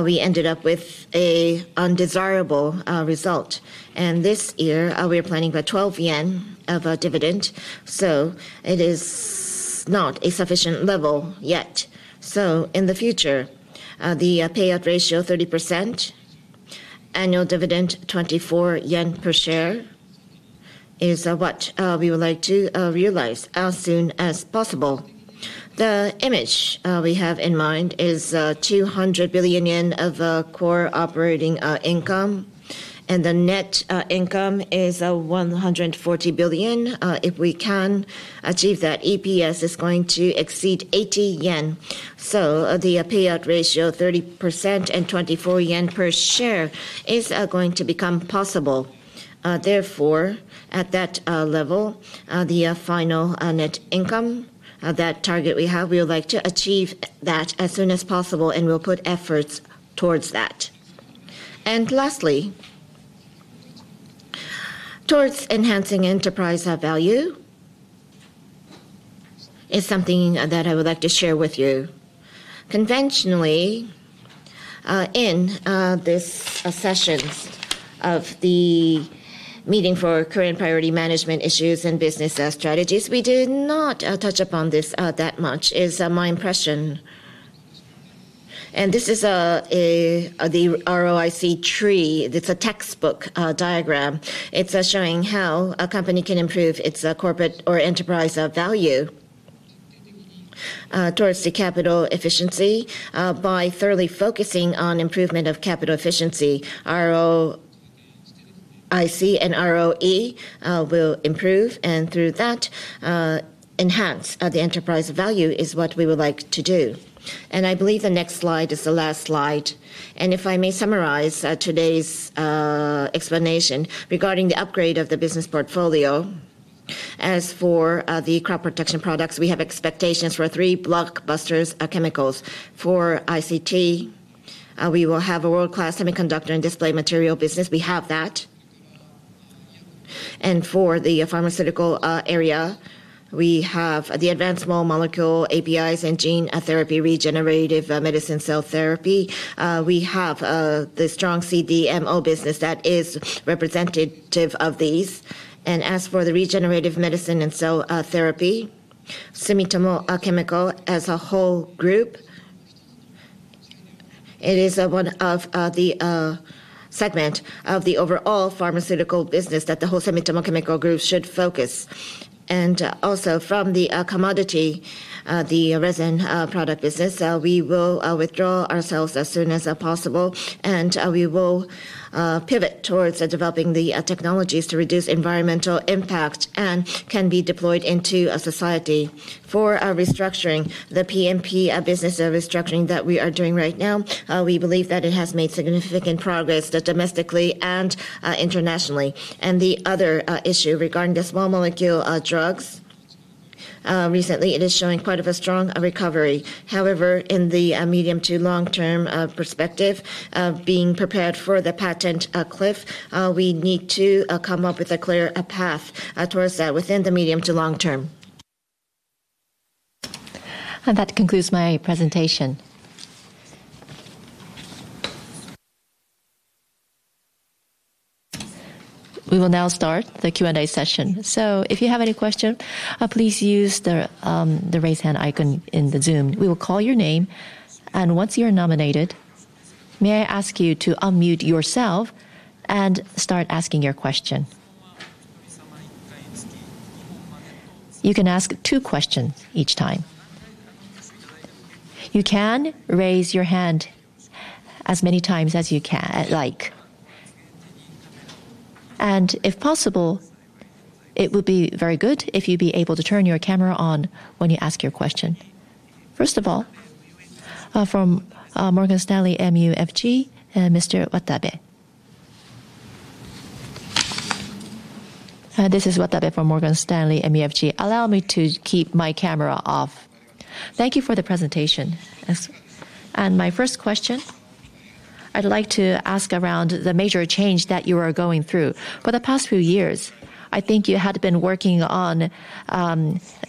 we ended up with an undesirable result. This year, we are planning about ¥12 of a dividend. It is not a sufficient level yet. In the future, the payout ratio of 30%, annual dividend ¥24 per share is what we would like to realize as soon as possible. The image we have in mind is ¥200 billion of core operating income. The net income is ¥140 billion. If we can achieve that, EPS is going to exceed ¥80. The payout ratio of 30% and ¥24 per share is going to become possible. At that level, the final net income, that target we have, we would like to achieve that as soon as possible. We'll put efforts towards that. Lastly, towards enhancing enterprise value is something that I would like to share with you. Conventionally, in this session of the meeting for current priority management issues and business strategies, we did not touch upon this that much. It's my impression. This is the ROIC tree. It's a textbook diagram. It's showing how a company can improve its corporate or enterprise value towards the capital efficiency by thoroughly focusing on improvement of capital efficiency. ROIC and ROE will improve. Through that, enhance the enterprise value is what we would like to do. I believe the next slide is the last slide. If I may summarize today's explanation regarding the upgrade of the business portfolio, as for the crop protection products, we have expectations for three blockbuster chemicals. For ICT, we will have a world-class semiconductor and display material business. We have that. For the pharmaceutical area, we have the advanced small molecule APIs and gene therapy, regenerative medicine, cell therapy. We have the strong CDMO business that is representative of these. As for the regenerative medicine and cell therapy, Sumitomo Chemical as a whole group, it is one of the segments of the overall pharmaceutical business that the whole Sumitomo Chemical Group should focus on. Also, from the commodity, the resin product business, we will withdraw ourselves as soon as possible. We will pivot towards developing the technologies to reduce environmental impact and can be deployed into society. For restructuring, the PMP business restructuring that we are doing right now, we believe that it has made significant progress domestically and internationally. The other issue regarding the small molecule drugs, recently, it is showing quite a strong recovery. However, in the medium to long-term perspective, being prepared for the patent cliff, we need to come up with a clear path towards that within the medium to long term. That concludes my presentation. We will now start the Q&A session. If you have any questions, please use the raise hand icon in Zoom. We will call your name. Once you are nominated, may I ask you to unmute yourself and start asking your question? You can ask two questions each time. You can raise your hand as many times as you like. If possible, it would be very good if you'd be able to turn your camera on when you ask your question. First of all, from Morgan Stanley MUFG, Mr. Watabe. This is Watabe from Morgan Stanley MUFG. Allow me to keep my camera off. Thank you for the presentation. My first question, I'd like to ask around the major change that you are going through. For the past few years, I think you had been working on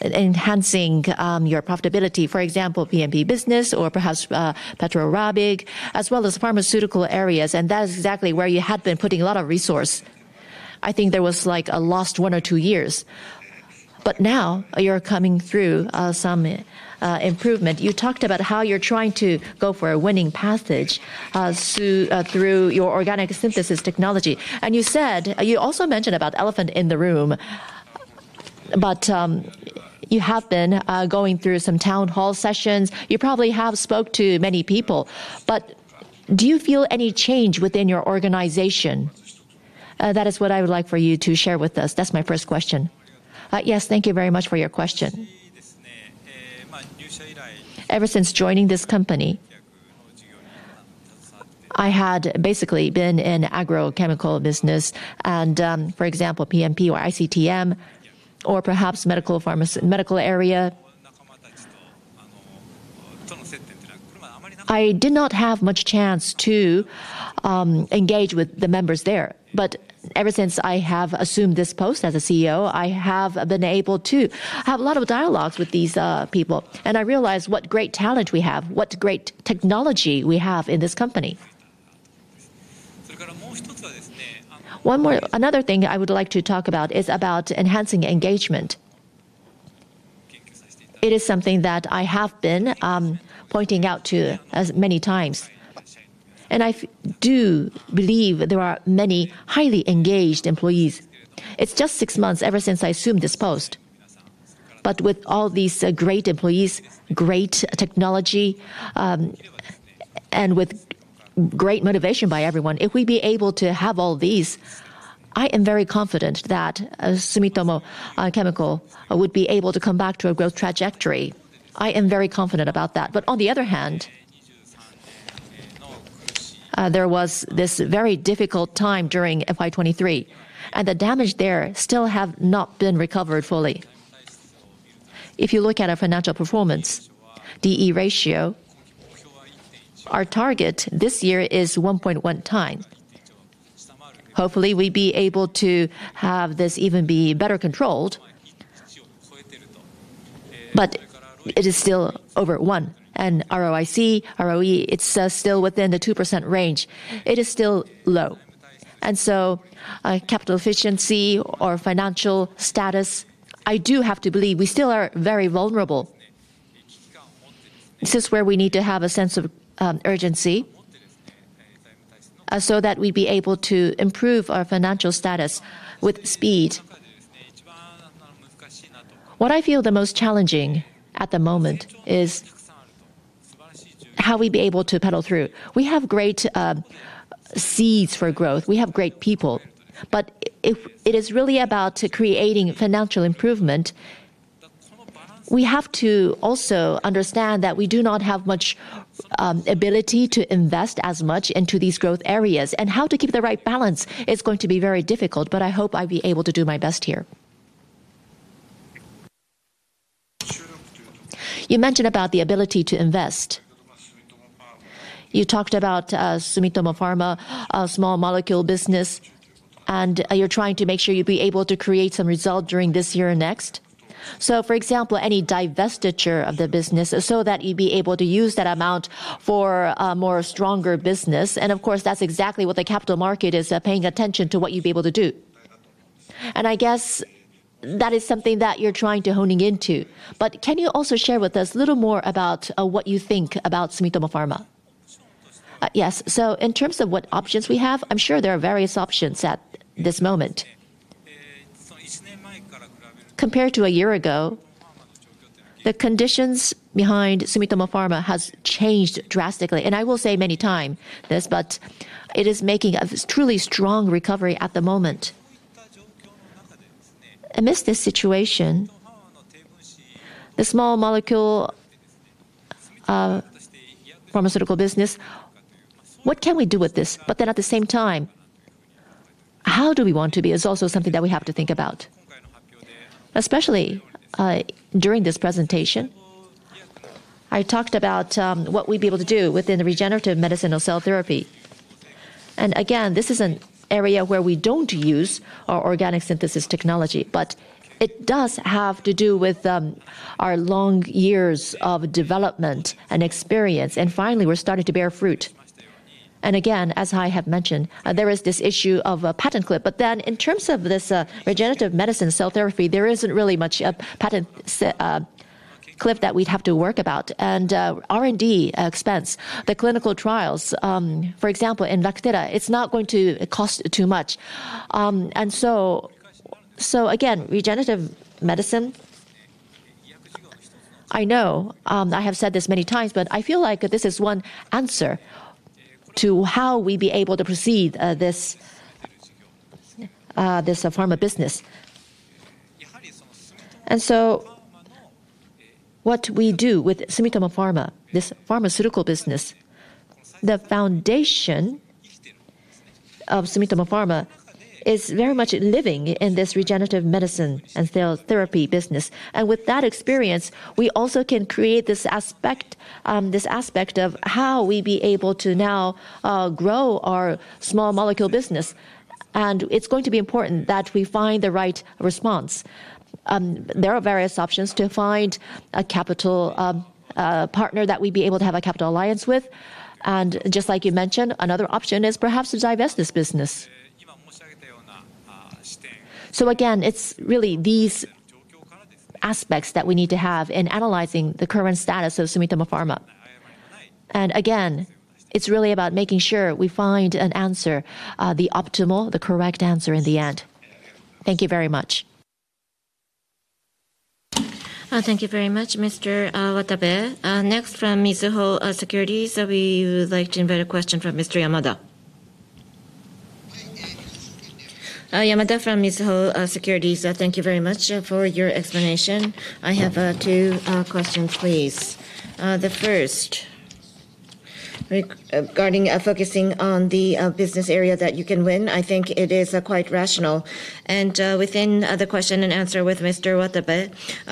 enhancing your profitability, for example, PMP business, or perhaps Petro Rabigh, as well as pharmaceutical areas. That is exactly where you had been putting a lot of resource. I think there was like a lost one or two years. Now you're coming through some improvement. You talked about how you're trying to go for a winning passage through your organic synthesis technology. You said you also mentioned about Elephant in the Room. You have been going through some town hall sessions. You probably have spoken to many people. Do you feel any change within your organization? That is what I would like for you to share with us. That's my first question. Yes, thank you very much for your question. Ever since joining this company, I had basically been in the agrochemical business. For example, PMP or ICTM, or perhaps the medical area. I did not have much chance to engage with the members there. Ever since I have assumed this post as CEO, I have been able to have a lot of dialogues with these people. I realize what great talent we have, what great technology we have in this company. Another thing I would like to talk about is enhancing engagement. It is something that I have been pointing out many times. I do believe there are many highly engaged employees. It's just six months ever since I assumed this post. With all these great employees, great technology, and with great motivation by everyone, if we'd be able to have all these, I am very confident that Sumitomo Chemical would be able to come back to a growth trajectory. I am very confident about that. On the other hand, there was this very difficult time during FY2023. The damage there still has not been recovered fully. If you look at our financial performance, D/E ratio, our target this year is 1.1 times. Hopefully, we'd be able to have this even be better controlled. It is still over 1. ROIC, ROE, it's still within the 2% range. It is still low. Capital efficiency or financial status, I do have to believe we still are very vulnerable. This is where we need to have a sense of urgency so that we'd be able to improve our financial status with speed. What I feel the most challenging at the moment is how we'd be able to pedal through. We have great seeds for growth. We have great people. If it is really about creating financial improvement, we have to also understand that we do not have much ability to invest as much into these growth areas. How to keep the right balance is going to be very difficult. I hope I'd be able to do my best here. You mentioned about the ability to invest. You talked about Sumitomo Pharma, a small molecule business. You're trying to make sure you'd be able to create some result during this year and next. For example, any divestiture of the business so that you'd be able to use that amount for a more stronger business. Of course, that's exactly what the capital market is paying attention to, what you'd be able to do. I guess that is something that you're trying to hone into. Can you also share with us a little more about what you think about Sumitomo Pharma? Yes. In terms of what options we have, I'm sure there are various options at this moment. Compared to a year ago, the conditions behind Sumitomo Pharma have changed drastically. I will say many times this, but it is making a truly strong recovery at the moment. Amidst this situation, the small molecule pharmaceutical business, what can we do with this? At the same time, how do we want to be is also something that we have to think about. Especially during this presentation, I talked about what we'd be able to do within the regenerative medicine or cell therapy. This is an area where we don't use our organic synthesis technology. It does have to do with our long years of development and experience. Finally, we're starting to bear fruit. As I have mentioned, there is this issue of a patent cliff. In terms of this regenerative medicine cell therapy, there isn't really much patent cliff that we'd have to worry about. R&D expense, the clinical trials, for example, in Rakdera is not going to cost too much. Regenerative medicine, I know I have said this many times, but I feel like this is one answer to how we'd be able to proceed this pharma business. What we do with Sumitomo Pharma, this pharmaceutical business, the foundation of Sumitomo Pharma is very much living in this regenerative medicine and cell therapy business. With that experience, we also can create this aspect of how we'd be able to now grow our small molecule business. It's going to be important that we find the right response. There are various options to find a capital partner that we'd be able to have a capital alliance with. Just like you mentioned, another option is perhaps to divest this business. It's really these aspects that we need to have in analyzing the current status of Sumitomo Pharma. It's really about making sure we find an answer, the optimal, the correct answer in the end. Thank you very much. Thank you very much, Mr. Watabe. Next, from Mizuho Securities, we would like to invite a question from Mr. Yamada. Yamada from Mizuho Securities, thank you very much for your explanation. I have two questions, please. The first, regarding focusing on the business area that you can win, I think it is quite rational. Within the question and answer with Mr. Watabe,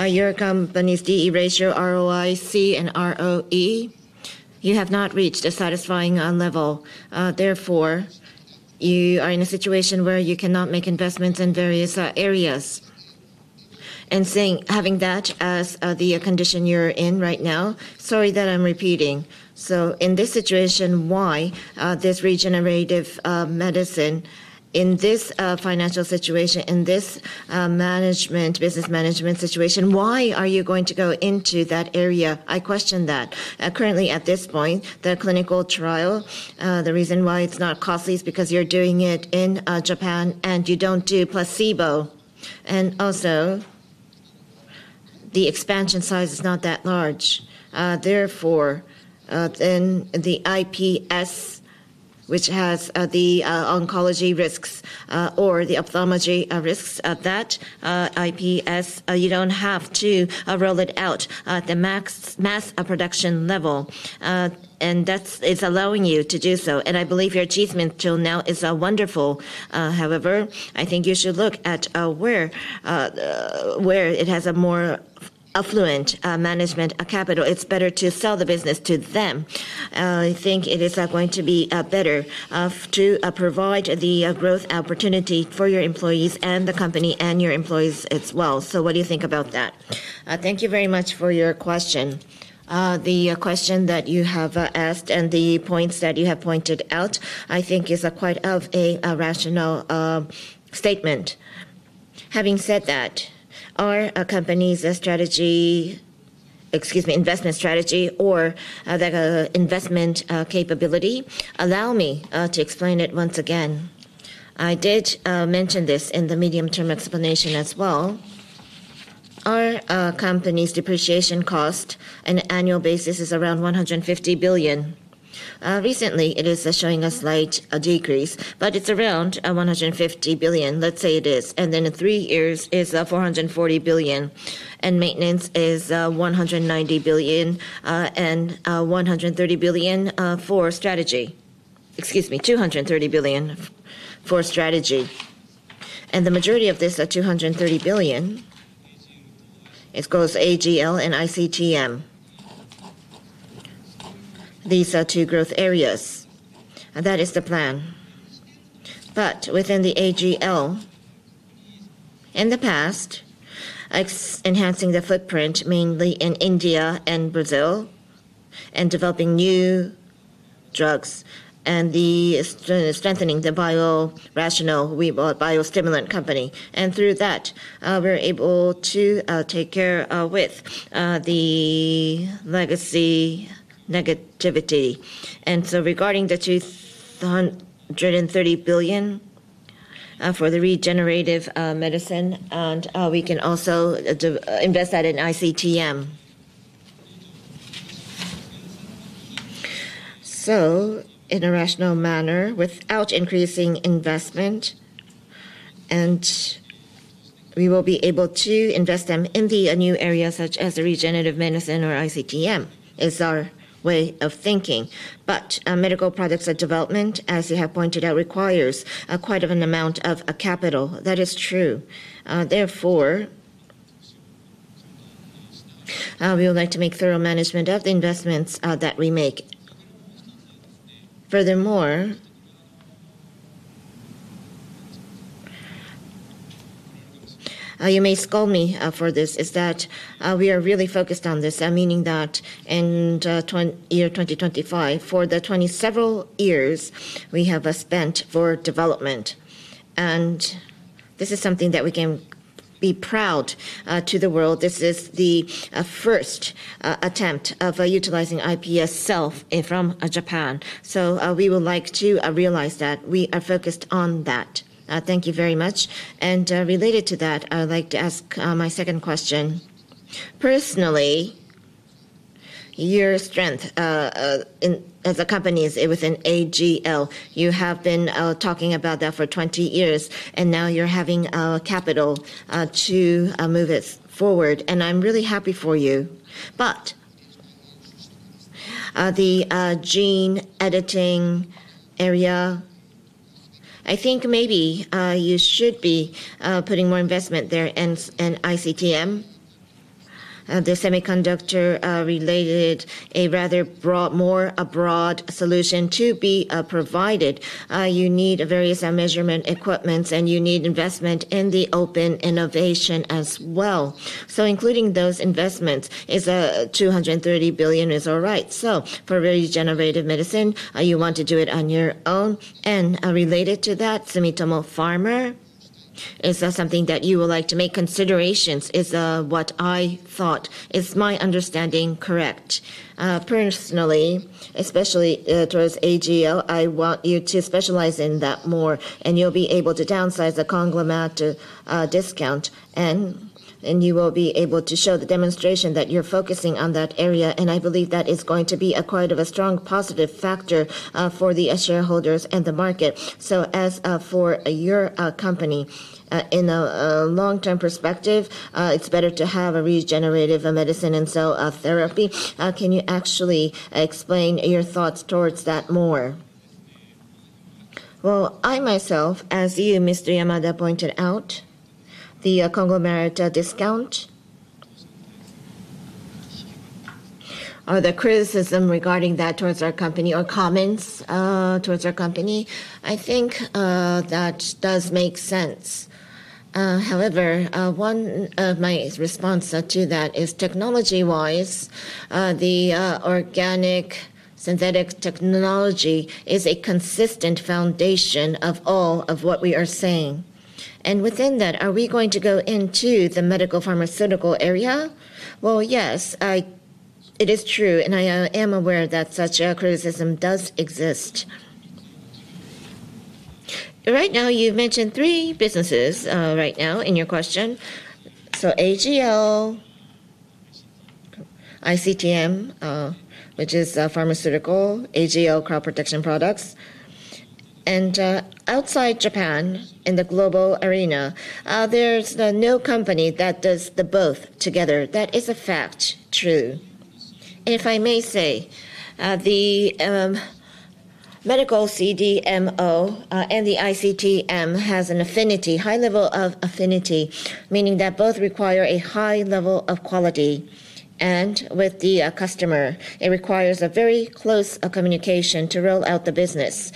your company's D/E ratio, ROIC, and ROE, you have not reached a satisfying level. Therefore, you are in a situation where you cannot make investments in various areas. Having that as the condition you're in right now, sorry that I'm repeating. In this situation, why this regenerative medicine, in this financial situation, in this management business management situation, why are you going to go into that area? I question that. Currently, at this point, the clinical trial, the reason why it's not costly is because you're doing it in Japan and you don't do placebo. Also, the expansion size is not that large. Therefore, the IPS, which has the oncology risks or the ophthalmology risks of that IPS, you don't have to roll it out at the mass production level. That is allowing you to do so. I believe your achievement till now is wonderful. However, I think you should look at where it has a more affluent management capital. It's better to sell the business. I think it is going to be better to provide the growth opportunity for your employees and the company and your employees as well. What do you think about that? Thank you very much for your question. The question that you have asked and the points that you have pointed out, I think is quite a rational statement. Having said that, our company's strategy, excuse me, investment strategy or that investment capability, allow me to explain it once again. I did mention this in the medium-term explanation as well. Our company's depreciation cost on an annual basis is around ¥150 billion. Recently, it is showing a slight decrease, but it's around ¥150 billion. Let's say it is, and then in three years is ¥440 billion, and maintenance is ¥190 billion and ¥130 billion for strategy. Excuse me, ¥230 billion for strategy. The majority of this ¥230 billion is called AGL and ICTM. These are two growth areas, and that is the plan. Within the AGL, in the past, it's enhancing the footprint mainly in India and Brazil and developing new drugs and strengthening the vital rational. We bought a biostimulant company, and through that, we're able to take care of the legacy negativity. Regarding the ¥230 billion for the regenerative medicine, we can also invest that in ICTM, in a rational manner without increasing investment. We will be able to invest them in the new areas such as the regenerative medicine or ICTM is our way of thinking. Medical products and development, as you have pointed out, require quite an amount of capital. That is true. Therefore, we would like to make thorough management of the investments that we make. Furthermore, you may scold me for this, is that we are really focused on this, meaning that in the year 2025, for the 20-several years we have spent for development. This is something that we can be proud of to the world. This is the first attempt of utilizing IPS cell from Japan. We would like to realize that we are focused on that. Thank you very much. Related to that, I would like to ask my second question. Personally, your strength as a company is within AGL. You have been talking about that for 20 years, and now you're having capital to move it forward. I'm really happy for you. The gene editing area, I think maybe you should be putting more investment there in ICTM, the semiconductor-related, a rather more broad solution to be provided. You need various measurement equipments, and you need investment in the open innovation as well. Including those investments is ¥230 billion, is all right. For regenerative medicine, you want to do it on your own. Related to that, Sumitomo Pharma is something that you would like to make considerations, is what I thought. Is my understanding correct? Personally, especially towards AGL, I want you to specialize in that more, and you'll be able to downsize the conglomerate discount. You will be able to show the demonstration that you're focusing on that area. I believe that is going to be quite a strong positive factor for the shareholders and the market. As for your company, in a long-term perspective, it's better to have a regenerative medicine and cell therapy. Can you actually explain your thoughts towards that more? I myself, as you, Mr. Iwata, pointed out, the conglomerate discount, the criticism regarding that towards our company or comments towards our company, I think that does make sense. However, one of my responses to that is technology-wise, the organic synthetic technology is a consistent foundation of all of what we are saying. Within that, are we going to go into the medical pharmaceutical area? Yes, it is true, and I am aware that such a criticism does exist. Right now, you mentioned three businesses right now in your question: AGL, ICTM, which is pharmaceutical, AGL crop protection products. Outside Japan, in the global arena, there's the new company that does both together. That is a fact, true. If I may say, the medical CDMO and the ICTM have an affinity, high level of affinity, meaning that both require a high level of quality. With the customer, it requires a very close communication to roll out the business.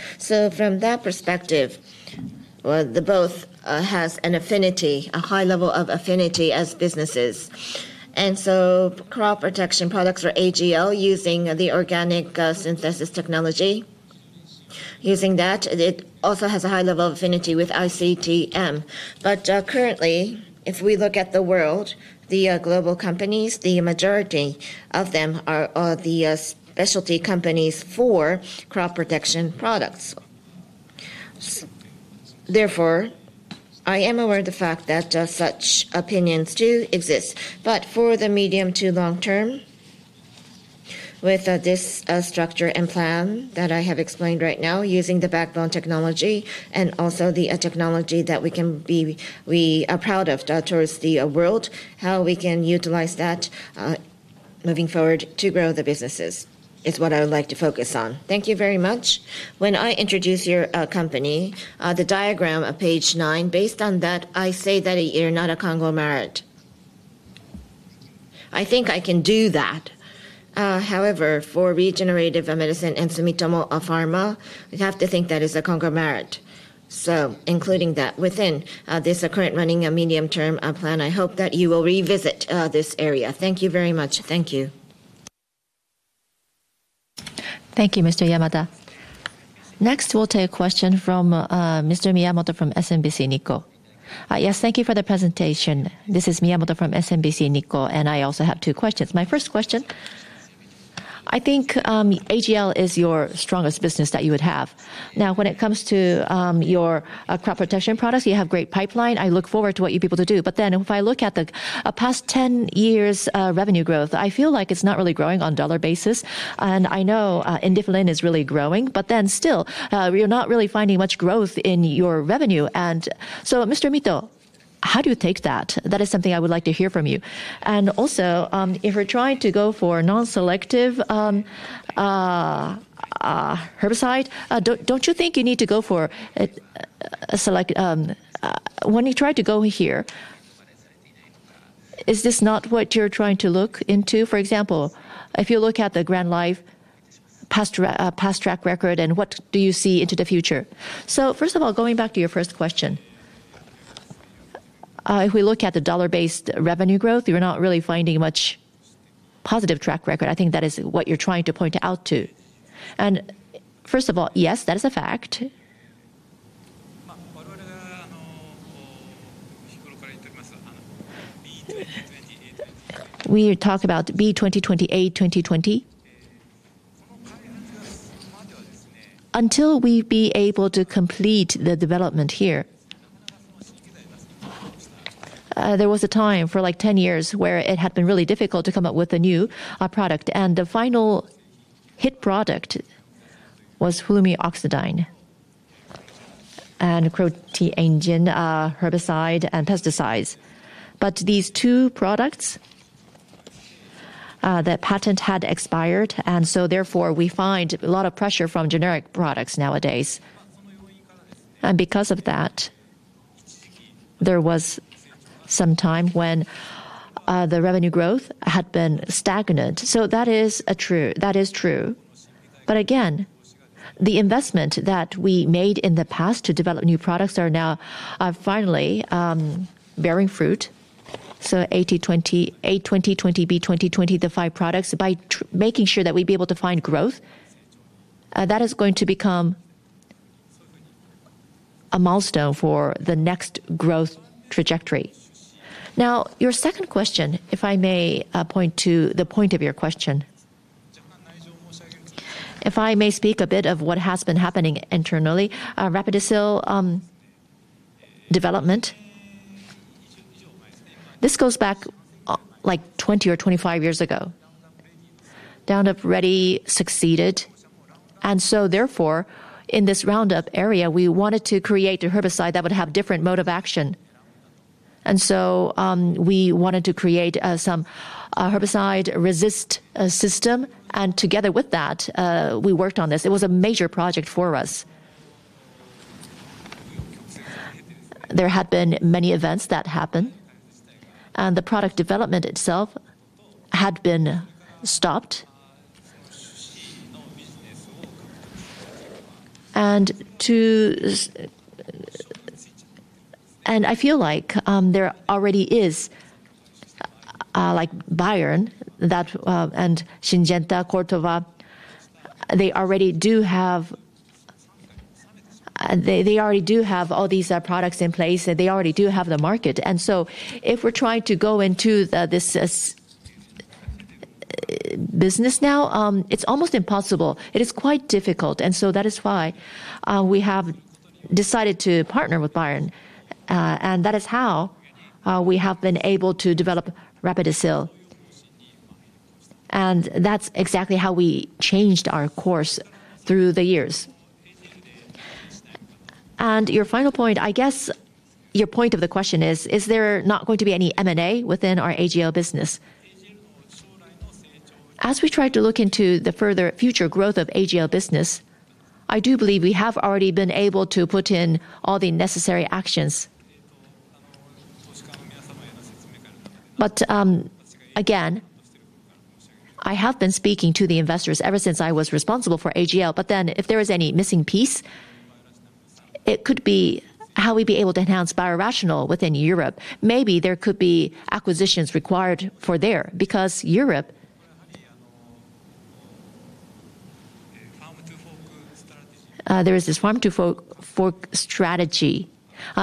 From that perspective, both have an affinity, a high level of affinity as businesses. Crop protection products for AGL, using the organic synthesis technology, using that, it also has a high level of affinity with ICTM. Currently, if we look at the world, the global companies, the majority of them are the specialty companies for crop protection products. Therefore, I am aware of the fact that such opinions do exist. For the medium to long term, with this structure and plan that I have explained right now, using the backbone technology and also the technology that we can be, we are proud of towards the world, how we can utilize that moving forward to grow the businesses is what I would like to focus on. Thank you very much. When I introduce your company, the diagram of page nine, based on that, I say that you're not a conglomerate. I think I can do that. However, for regenerative medicine and Sumitomo Pharma, I have to think that is a conglomerate. Including that within this current running medium-term plan, I hope that you will revisit this area. Thank you very much. Thank you. Thank you, Mr. Iwata. Next, we'll take a question from Mr. Miyamoto from SMBC Nikko. Yes, thank you for the presentation. This is Miyamoto from SMBC Nikko, and I also have two questions. My first question, I think AGL is your strongest business that you would have. Now, when it comes to your crop protection products, you have a great pipeline. I look forward to what you people do. If I look at the past 10 years' revenue growth, I feel like it's not really growing on a dollar basis. I know Indiflin is really growing, but still, you're not really finding much growth in your revenue. Mr. Mito, how do you take that? That is something I would like to hear from you. Also, if we're trying to go for non-selective herbicide, don't you think you need to go for a select? When you try to go here, is this not what you're trying to look into? For example, if you look at the Grand Life past track record and what do you see into the future? First of all, going back to your first question, if we look at the dollar-based revenue growth, you're not really finding much positive track record. I think that is what you're trying to point out to. First of all, yes, that is a fact. We talk about B20, A2020? Until we are able to complete the development here. There was a time for like 10 years where it had been really difficult to come up with a new product. The final hit product was fumioxidine and a protein engine herbicide and pesticides. These two products, their patent had expired. Therefore, we find a lot of pressure from generic products nowadays. Because of that, there was some time when the revenue growth had been stagnant. That is true. That is true. Again, the investment that we made in the past to develop new products are now finally bearing fruit. A2020, B2020, the five products, by making sure that we'd be able to find growth, that is going to become a milestone for the next growth trajectory. Now, your second question, if I may point to the point of your question, if I may speak a bit of what has been happening internally, Rapidacil development, this goes back like 20 or 25 years ago. Roundup Ready succeeded. Therefore, in this Roundup area, we wanted to create a herbicide that would have a different mode of action. We wanted to create some herbicide resist system. Together with that, we worked on this. It was a major project for us. There had been many events that happened, and the product development itself had been stopped. I feel like there already is like Bayer and Syngenta, Corteva, they already do have all these products in place. They already do have the market. If we're trying to go into this business now, it's almost impossible. It is quite difficult. That is why we have decided to partner with Bayer. That is how we have been able to develop Rapidacil. That's exactly how we changed our course through the years. Your final point, I guess your point of the question is, is there not going to be any M&A within our AGL business? As we try to look into the further future growth of AGL business, I do believe we have already been able to put in all the necessary actions. Again, I have been speaking to the investors ever since I was responsible for AGL. If there is any missing piece, it could be how we'd be able to enhance biorational within Europe. Maybe there could be acquisitions required for there because Europe, there is this farm-to-fork strategy.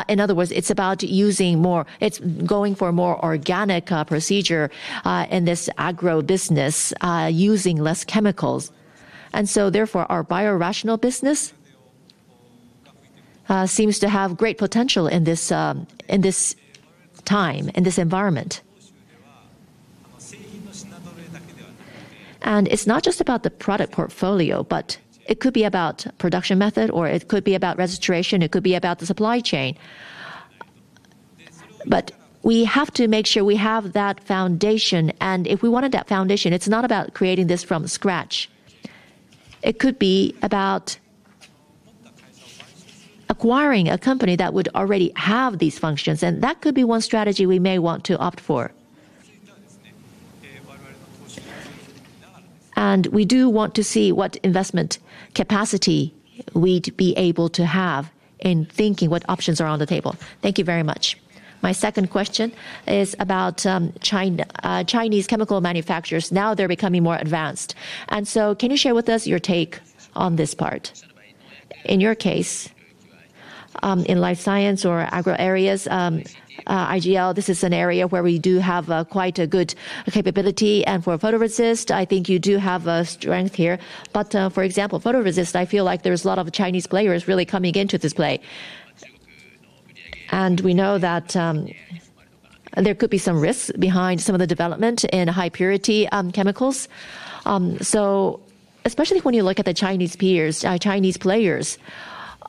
In other words, it's about using more, it's going for a more organic procedure in this agro business, using less chemicals. Therefore, our biorational business seems to have great potential in this time, in this environment. It's not just about the product portfolio, but it could be about production method, or it could be about registration. It could be about the supply chain. We have to make sure we have that foundation. If we wanted that foundation, it's not about creating this from scratch. It could be about acquiring a company that would already have these functions. That could be one strategy we may want to opt for. We do want to see what investment capacity we'd be able to have in thinking what options are on the table. Thank you very much. My second question is about Chinese chemical manufacturers. Now they're becoming more advanced. Can you share with us your take on this part? In your case, in life science or agro areas, AGL, this is an area where we do have quite a good capability. For photoresist, I think you do have a strength here. For example, photoresist, I feel like there's a lot of Chinese players really coming into this play. We know that there could be some risks behind some of the development in high-purity chemicals. Especially when you look at the Chinese peers, Chinese players,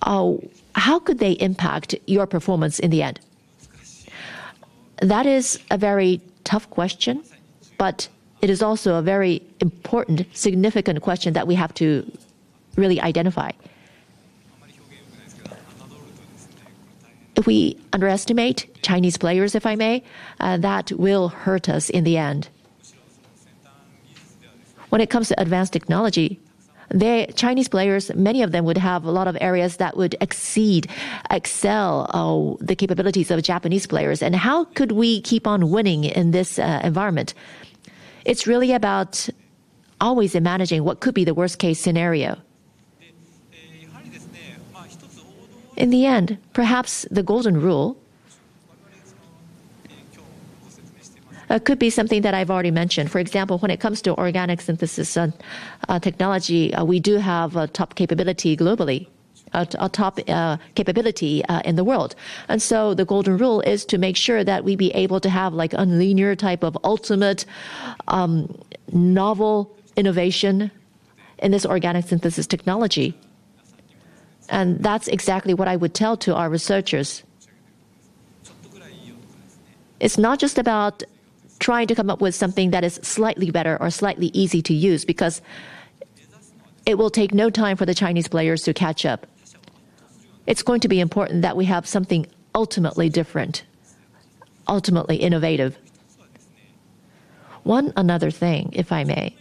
how could they impact your performance in the end? That is a very tough question, but it is also a very important, significant question that we have to really identify. We underestimate Chinese players, if I may, and that will hurt us in the end. When it comes to advanced technology, Chinese players, many of them would have a lot of areas that would exceed, excel the capabilities of Japanese players. How could we keep on winning in this environment? It's really about always managing what could be the worst-case scenario. In the end, perhaps the golden rule could be something that I've already mentioned. For example, when it comes to organic synthesis technology, we do have a top capability globally, a top capability in the world. The golden rule is to make sure that we be able to have like a linear type of ultimate novel innovation in this organic synthesis technology. That's exactly what I would tell to our researchers. It's not just about trying to come up with something that is slightly better or slightly easy to use because it will take no time for the Chinese players to catch up. It's going to be important that we have something ultimately different, ultimately innovative. One another thing, if I may.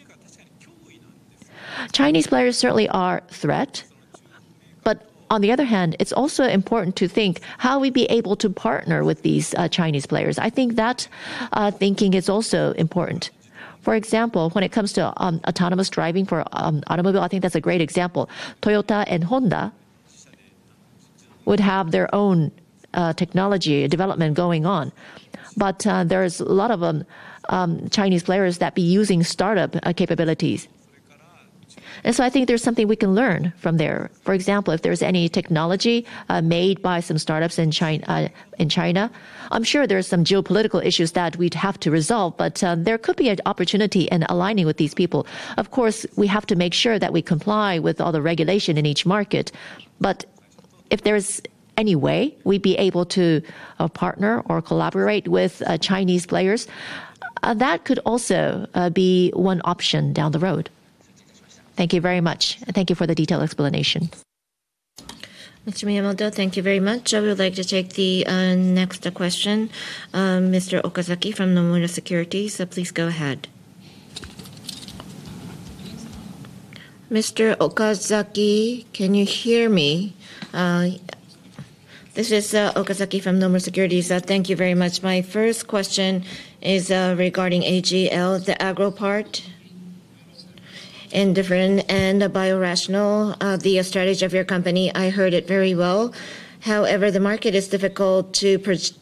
Chinese players certainly are a threat, but on the other hand, it's also important to think how we'd be able to partner with these Chinese players. I think that thinking is also important. For example, when it comes to autonomous driving for automobile, I think that's a great example. Toyota and Honda would have their own technology development going on. There are a lot of Chinese players that would be using startup capabilities, and I think there's something we can learn from there. For example, if there's any technology made by some startups in China, I'm sure there are some geopolitical issues that we'd have to resolve, but there could be an opportunity in aligning with these people. Of course, we have to make sure that we comply with all the regulation in each market. If there's any way we'd be able to partner or collaborate with Chinese players, that could also be one option down the road. Thank you very much. Thank you for the detailed explanation. Mr. Miyamoto, thank you very much. I would like to take the next question, Mr. Okazaki from Nomura Securities. Please go ahead. Mr. Okazaki, can you hear me? This is Okazaki from Nomura Securities. Thank you very much. My first question is regarding AGL, the agro part, Indiflin, and the biorational, the strategy of your company. I heard it very well. However, the market is difficult to predict.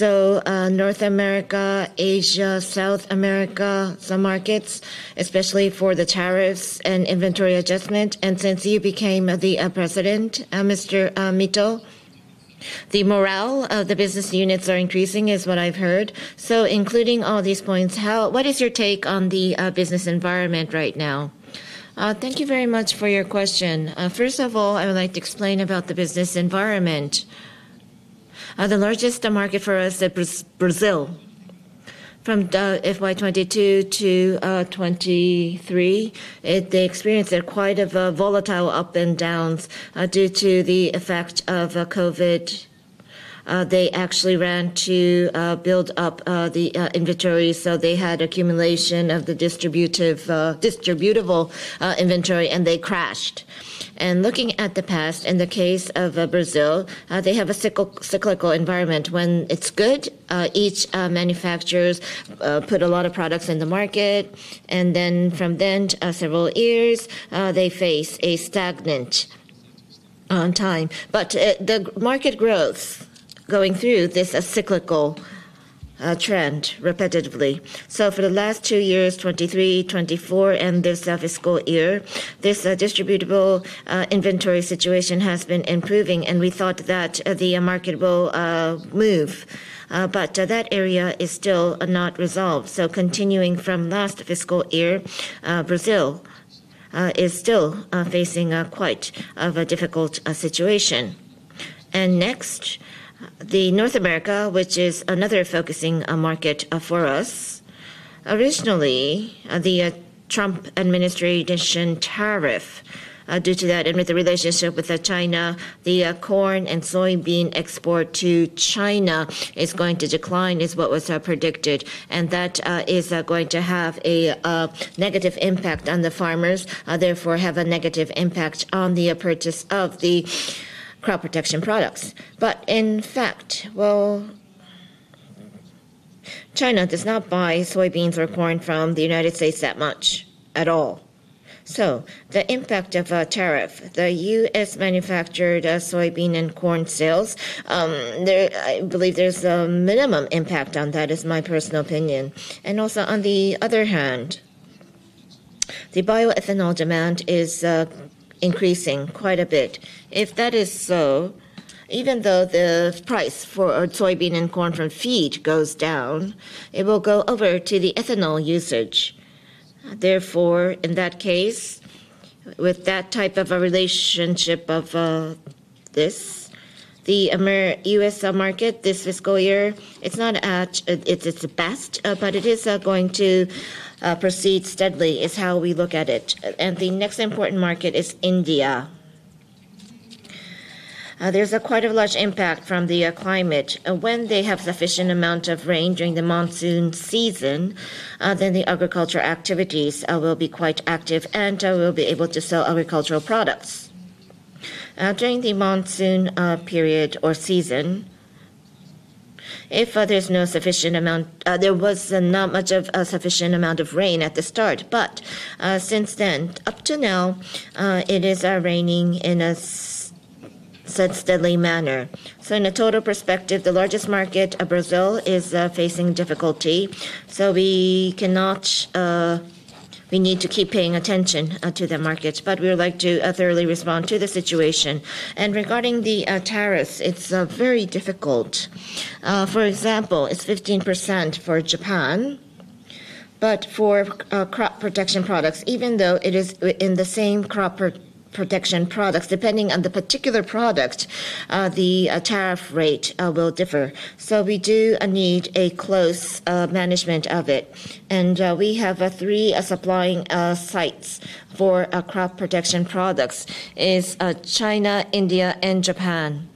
North America, Asia, South America, some markets, especially for the tariffs and inventory adjustment. Since you became the President, Mr. Mito, the morale of the business units is increasing, is what I've heard. Including all these points, what is your take on the business environment right now? Thank you very much for your question. First of all, I would like to explain about the business environment. The largest market for us is Brazil. From FY2022 to 2023, they experienced quite a volatile up and downs due to the effect of COVID. They actually ran to build up the inventory. They had accumulation of the distributable inventory, and they crashed. Looking at the past, in the case of Brazil, they have a cyclical environment. When it's good, each manufacturer puts a lot of products in the market. From then, several years, they face a stagnant time. The market growth going through this cyclical trend repetitively. For the last two years, 2023, 2024, and this fiscal year, this distributable inventory situation has been improving. We thought that the market will move. That area is still not resolved. Continuing from last fiscal year, Brazil is still facing quite a difficult situation. Next, North America, which is another focusing market for us. Originally, the Trump administration tariff due to that and with the relationship with China, the corn and soybean export to China is going to decline, is what was predicted. That is going to have a negative impact on the farmers. Therefore, have a negative impact on the purchase of the crop protection products. In fact, China does not buy soybeans or corn from the United States that much at all. The impact of a tariff, the U.S.-manufactured soybean and corn sales, I believe there's a minimum impact on that, is my personal opinion. Also, on the other hand, the bioethanol demand is increasing quite a bit. If that is so, even though the price for soybean and corn from feed goes down, it will go over to the ethanol usage. Therefore, in that case, with that type of a relationship of this, the U.S. market this fiscal year, it's not at its best, but it is going to proceed steadily, is how we look at it. The next important market is India. There's quite a large impact from the climate. When they have sufficient amount of rain during the monsoon season, then the agricultural activities will be quite active and will be able to sell agricultural products. During the monsoon period or season, if there's not a sufficient amount, there was not much of a sufficient amount of rain at the start. Since then, up to now, it is raining in a steady manner. In a total perspective, the largest market of Brazil is facing difficulty. We need to keep paying attention to the markets, but we would like to thoroughly respond to the situation. Regarding the tariffs, it's very difficult. For example, it's 15% for Japan. For crop protection products, even though it is in the same crop protection products, depending on the particular product, the tariff rate will differ. We do need a close management of it. We have three supplying sites for crop protection products: China, India, and Japan.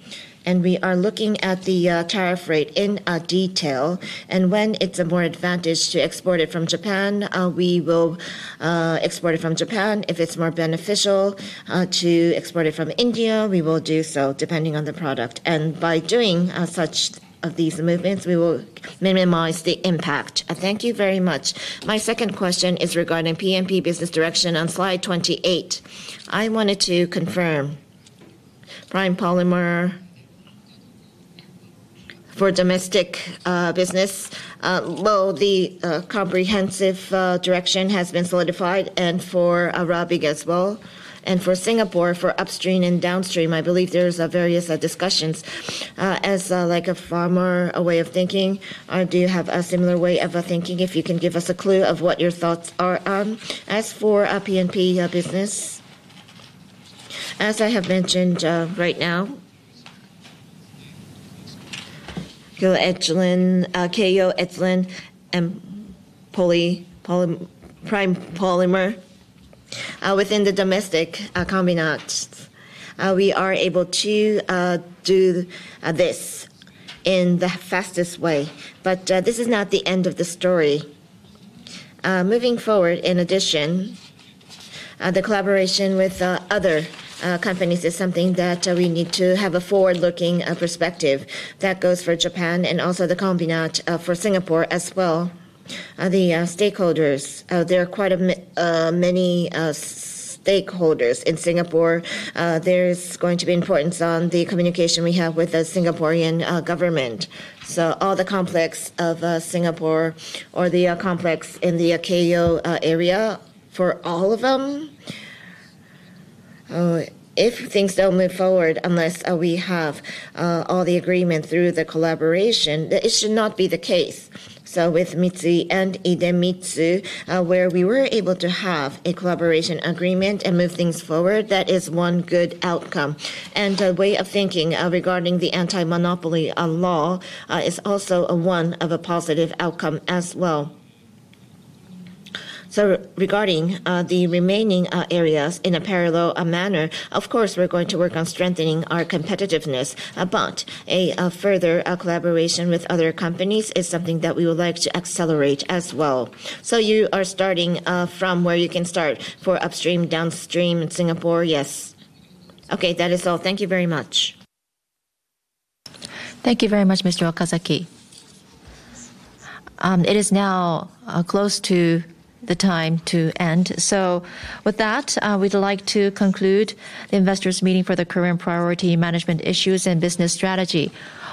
We are looking at the tariff rate in detail. When it's more advantageous to export it from Japan, we will export it from Japan. If it's more beneficial to export it from India, we will do so depending on the product. By doing such these movements, we will minimize the impact. Thank you very much. My second question is regarding P&P business direction on slide 28. I wanted to confirm Prime Polymer for domestic business. The comprehensive direction has been solidified and for Arabic as well. For Singapore, for upstream and downstream, I believe there's various discussions. As like a farmer, a way of thinking, do you have a similar way of thinking? If you can give us a clue of what your thoughts are on as for P&P business. As I have mentioned, right now, KO, ETLIN, and POLY, Prime Polymer within the domestic combinates, we are able to do this in the fastest way. This is not the end of the story. Moving forward, in addition, the collaboration with other companies is something that we need to have a forward-looking perspective. That goes for Japan and also the combinate for Singapore as well. The stakeholders, there are quite many stakeholders in Singapore. There's going to be importance on the communication we have with the Singaporean government. All the complex of Singapore or the complex in the KO area, for all of them, things don't move forward unless we have all the agreement through the collaboration. It should not be the case. With Mitsui and Idemitsu, where we were able to have a collaboration agreement and move things forward, that is one good outcome. The way of thinking regarding the anti-monopoly law is also one of a positive outcome as well. Regarding the remaining areas, in a parallel manner, of course, we're going to work on strengthening our competitiveness. A further collaboration with other companies is something that we would like to accelerate as well. You are starting from where you can start for upstream, downstream Singapore, yes. Okay, that is all. Thank you very much. Thank you very much, Mr. Okazaki. It is now close to the time to end. With that, we'd like to conclude the investors' meeting for the current priority management issues and business strategy.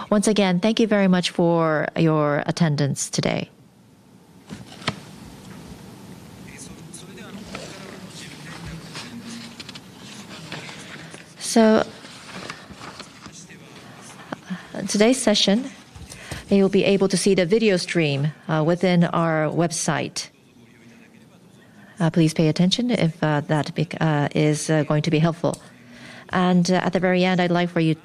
Once again, thank you very much for your attendance today. Today's session, you'll be able to see the video stream within our website. Please pay attention if that is going to be helpful. At the very end, I'd like for you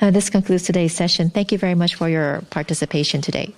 to. This concludes today's session. Thank you very much for your participation today.